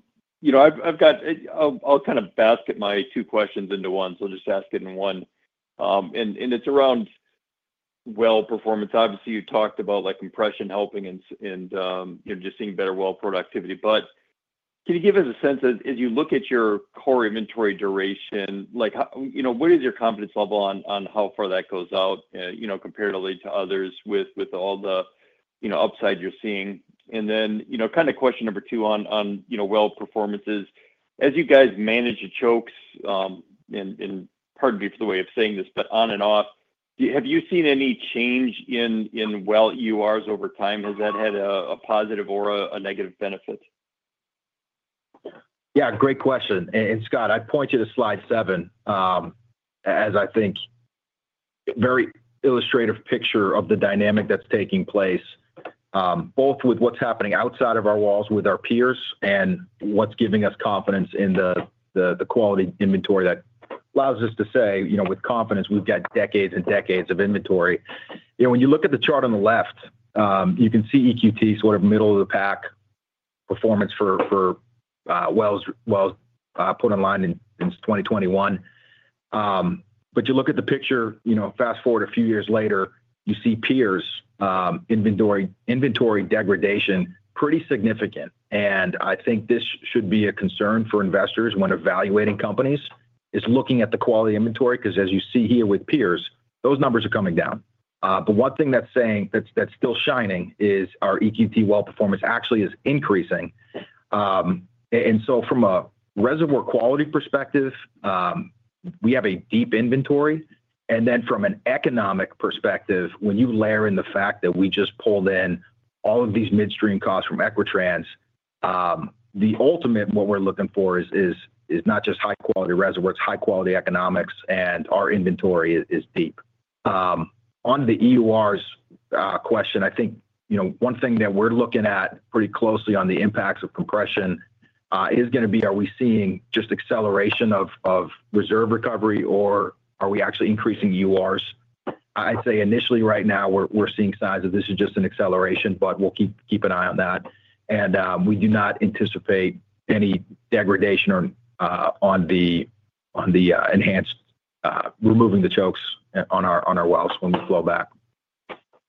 S12: kind of basket my two questions into one. So I'll just ask it in one. And it's around well performance. Obviously, you talked about compression helping and just seeing better well productivity. But can you give us a sense as you look at your core inventory duration, what is your confidence level on how far that goes out comparatively to others with all the upside you're seeing? And then kind of question number two on well performance is, as you guys manage the chokes, and pardon me for the way of saying this, but on and off, have you seen any change in well EURs over time? Has that had a positive or a negative benefit?
S3: Yeah, great question. And Scott, I point to the slide seven as I think a very illustrative picture of the dynamic that's taking place, both with what's happening outside of our walls with our peers and what's giving us confidence in the quality inventory that allows us to say with confidence we've got decades and decades of inventory. When you look at the chart on the left, you can see EQT sort of middle of the pack performance for wells put online in 2021. But you look at the picture, fast forward a few years later, you see peers' inventory degradation pretty significant. And I think this should be a concern for investors when evaluating companies is looking at the quality inventory because as you see here with peers, those numbers are coming down. But one thing that's still shining is our EQT well performance actually is increasing. And so from a reservoir quality perspective, we have a deep inventory. And then from an economic perspective, when you layer in the fact that we just pulled in all of these midstream costs from Equitrans, the ultimate what we're looking for is not just high quality reservoirs, high quality economics, and our inventory is deep. On the EURs question, I think one thing that we're looking at pretty closely on the impacts of compression is going to be, are we seeing just acceleration of reserve recovery or are we actually increasing EURs. I'd say initially right now we're seeing signs of this is just an acceleration, but we'll keep an eye on that. And we do not anticipate any degradation on the enhanced removing the chokes on our wells when we flow back.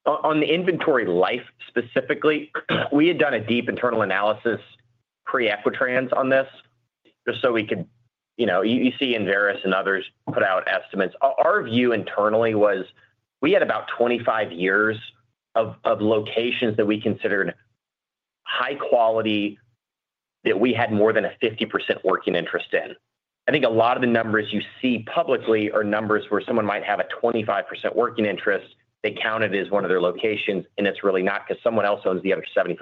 S4: On the inventory life specifically, we had done a deep internal analysis pre-Equitrans on this just so we could, you see Enverus and others put out estimates. Our view internally was we had about 25 years of locations that we considered high quality that we had more than a 50% working interest in. I think a lot of the numbers you see publicly are numbers where someone might have a 25% working interest. They count it as one of their locations, and it's really not because someone else owns the other 75%.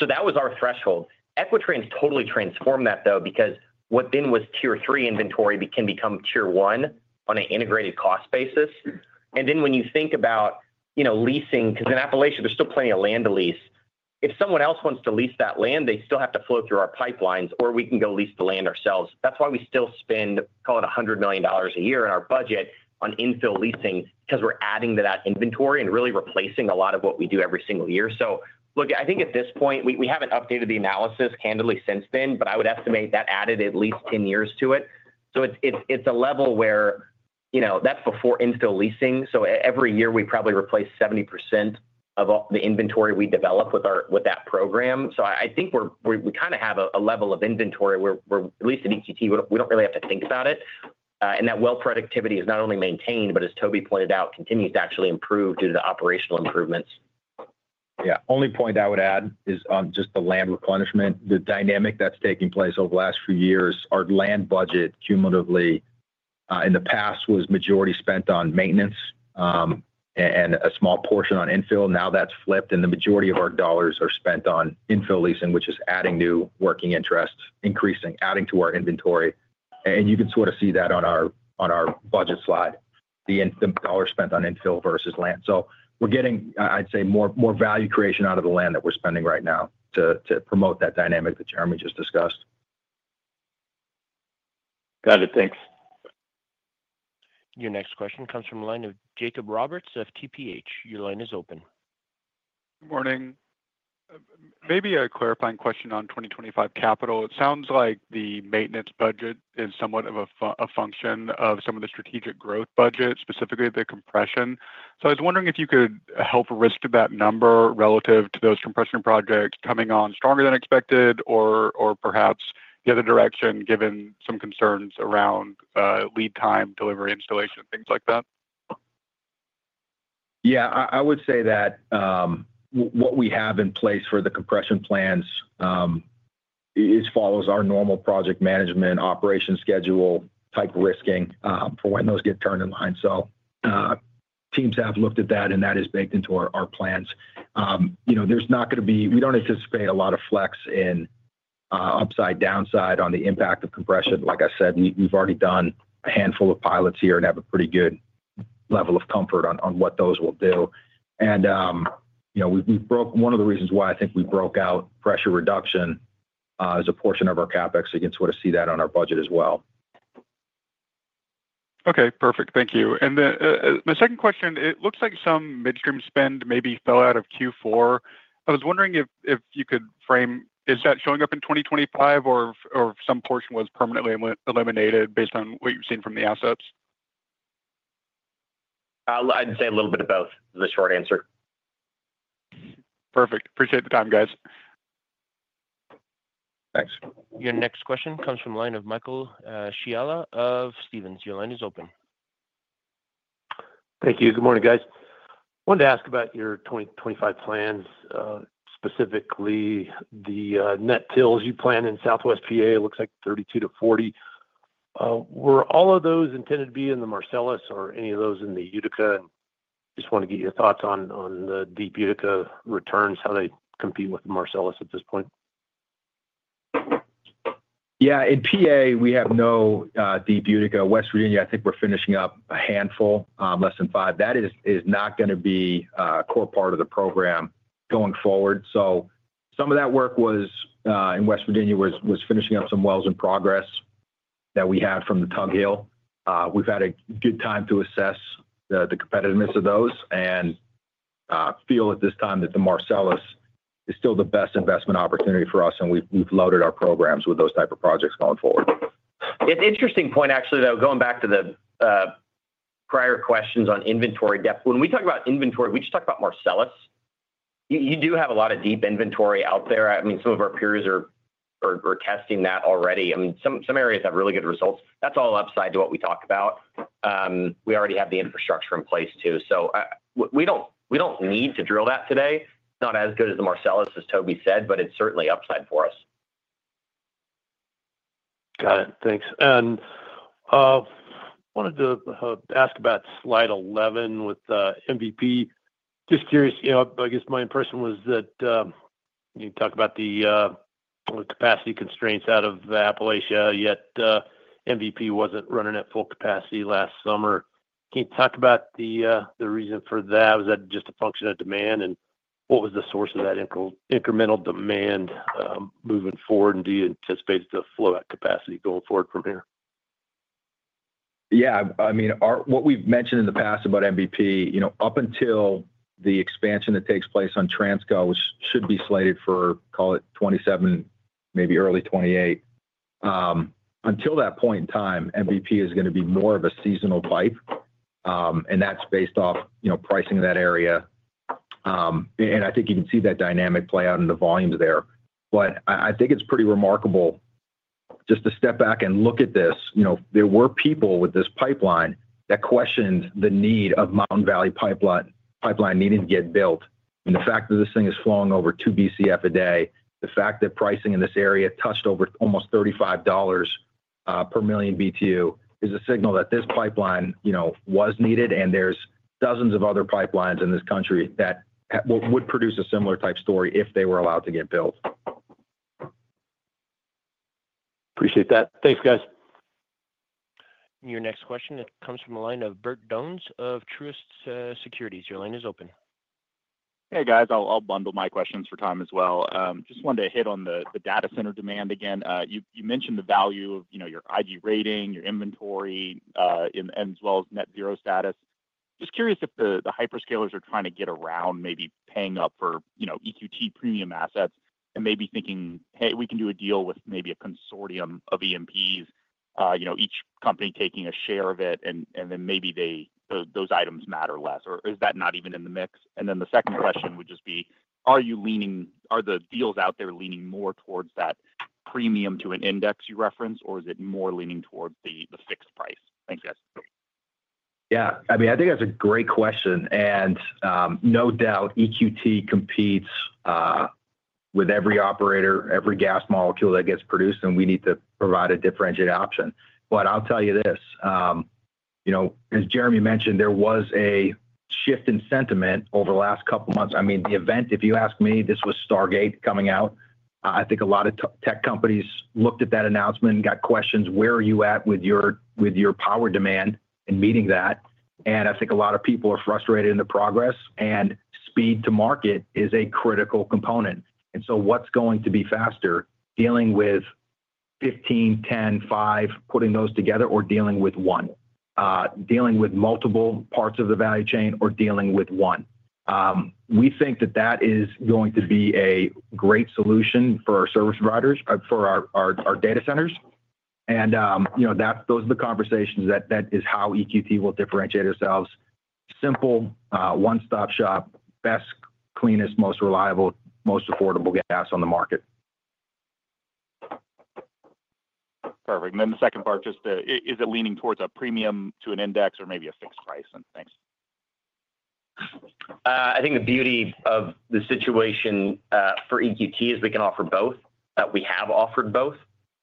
S4: So that was our threshold. Equitrans totally transformed that though because what then was tier three inventory can become tier one on an integrated cost basis. And then, when you think about leasing, because in Appalachia, there's still plenty of land to lease, if someone else wants to lease that land, they still have to flow through our pipelines or we can go lease the land ourselves. That's why we still spend, call it $100 million a year in our budget on infill leasing because we're adding to that inventory and really replacing a lot of what we do every single year. Look, I think at this point, we haven't updated the analysis candidly since then, but I would estimate that added at least 10 years to it. It's a level where that's before infill leasing. Every year we probably replace 70% of the inventory we develop with that program. So I think we kind of have a level of inventory where at least at EQT we don't really have to think about it. And that well productivity is not only maintained, but as Toby pointed out, continues to actually improve due to the operational improvements.
S3: Yeah. Only point I would add is on just the land replenishment, the dynamic that's taking place over the last few years. Our land budget cumulatively in the past was majority spent on maintenance and a small portion on infill. Now that's flipped and the majority of our dollars are spent on infill leasing, which is adding new working interests, increasing, adding to our inventory. And you can sort of see that on our budget slide, the dollars spent on infill versus land. So we're getting, I'd say, more value creation out of the land that we're spending right now to promote that dynamic that Jeremy just discussed.
S12: Got it. Thanks.
S1: Your next question comes from the line of Jake Roberts of TPH. Your line is open.
S13: Good morning. Maybe a clarifying question on 2025 capital. It sounds like the maintenance budget is somewhat of a function of some of the strategic growth budget, specifically the compression. So I was wondering if you could help risk that number relative to those compression projects coming on stronger than expected or perhaps the other direction given some concerns around lead time, delivery, installation, things like that?
S3: Yeah, I would say that what we have in place for the compression plans follows our normal project management operation schedule type risking for when those get turned in line. So teams have looked at that and that is baked into our plans. There's not going to be. We don't anticipate a lot of flex in upside, downside on the impact of compression. Like I said, we've already done a handful of pilots here and have a pretty good level of comfort on what those will do. And one of the reasons why I think we broke out pressure reduction as a portion of our CapEx again sort of see that on our budget as well.
S13: Okay. Perfect. Thank you. And then my second question, it looks like some midstream spend maybe fell out of Q4. I was wondering if you could frame if that showing up in 2025 or if some portion was permanently eliminated based on what you've seen from the assets?
S4: I'd say a little bit of both is the short answer.
S13: Perfect. Appreciate the time, guys.
S4: Thanks.
S1: Your next question comes from the line of Michael Scialla of Stephens. Your line is open.
S14: Thank you. Good morning, guys. I wanted to ask about your 2025 plans, specifically the net wells you plan in Southwest PA, looks like 32-40. Were all of those intended to be in the Marcellus or any of those in the Utica? Just want to get your thoughts on the deep Utica returns, how they compete with the Marcellus at this point.
S3: Yeah. In PA, we have no deep Utica. West Virginia, I think we're finishing up a handful, less than five. That is not going to be a core part of the program going forward, so some of that work in West Virginia was finishing up some wells in progress that we had from the Tug Hill. We've had a good time to assess the competitiveness of those and feel at this time that the Marcellus is still the best investment opportunity for us, and we've loaded our programs with those type of projects going forward.
S4: It's an interesting point, actually, though, going back to the prior questions on inventory depth. When we talk about inventory, we just talk about Marcellus. You do have a lot of deep inventory out there. I mean, some of our peers are testing that already. I mean, some areas have really good results. That's all upside to what we talk about. We already have the infrastructure in place too. So we don't need to drill that today. It's not as good as the Marcellus, as Toby said, but it's certainly upside for us.
S14: Got it. Thanks. And I wanted to ask about slide 11 with MVP. Just curious, I guess my impression was that you talk about the capacity constraints out of Appalachia, yet MVP wasn't running at full capacity last summer. Can you talk about the reason for that? Was that just a function of demand? And what was the source of that incremental demand moving forward? And do you anticipate the flow at capacity going forward from here?
S3: Yeah. I mean, what we've mentioned in the past about MVP, up until the expansion that takes place on Transco, which should be slated for, call it 2027, maybe early 2028, until that point in time, MVP is going to be more of a seasonal pipe. And that's based off pricing that area. And I think you can see that dynamic play out in the volumes there. But I think it's pretty remarkable just to step back and look at this. There were people with this pipeline that questioned the need of Mountain Valley Pipeline needing to get built. And the fact that this thing is flowing over two BCF a day, the fact that pricing in this area touched over almost $35 per million BTU is a signal that this pipeline was needed. There's dozens of other pipelines in this country that would produce a similar type story if they were allowed to get built.
S14: Appreciate that. Thanks, guys.
S1: Your next question comes from the line of Bert Donnes of Truist Securities. Your line is open.
S15: Hey, guys. I'll bundle my questions for time as well. Just wanted to hit on the data center demand again. You mentioned the value of your IG rating, your inventory, and as well as net zero status. Just curious if the hyperscalers are trying to get around maybe paying up for EQT premium assets and maybe thinking, "Hey, we can do a deal with maybe a consortium of E&Ps, each company taking a share of it, and then maybe those items matter less." Or is that not even in the mix? And then the second question would just be, are the deals out there leaning more towards that premium to an index you referenced, or is it more leaning towards the fixed price? Thanks, guys.
S3: Yeah. I mean, I think that's a great question. And no doubt EQT competes with every operator, every gas molecule that gets produced, and we need to provide a differentiated option. But I'll tell you this. As Jeremy mentioned, there was a shift in sentiment over the last couple of months. I mean, the event, if you ask me, this was Stargate coming out. I think a lot of tech companies looked at that announcement and got questions, "Where are you at with your power demand and meeting that?" And I think a lot of people are frustrated in the progress. And speed to market is a critical component. And so what's going to be faster, dealing with 15, 10, 5, putting those together, or dealing with one? Dealing with multiple parts of the value chain or dealing with one? We think that that is going to be a great solution for our service providers, for our data centers. And those are the conversations. That is how EQT will differentiate ourselves. Simple, one-stop shop, best, cleanest, most reliable, most affordable gas on the market.
S15: Perfect. And then the second part, just is it leaning towards a premium to an index or maybe a fixed price? And thanks.
S3: I think the beauty of the situation for EQT is we can offer both. We have offered both.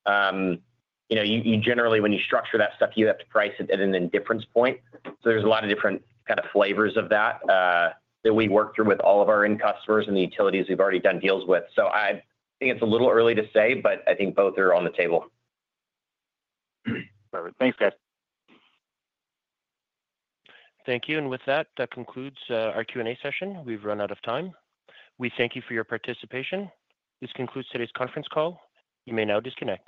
S3: Generally, when you structure that stuff, you have to price it at an indifference point. So there's a lot of different kind of flavors of that that we work through with all of our end customers and the utilities we've already done deals with. So I think it's a little early to say, but I think both are on the table.
S15: Perfect. Thanks, guys.
S1: Thank you. And with that, that concludes our Q&A session. We've run out of time. We thank you for your participation. This concludes today's conference call. You may now disconnect.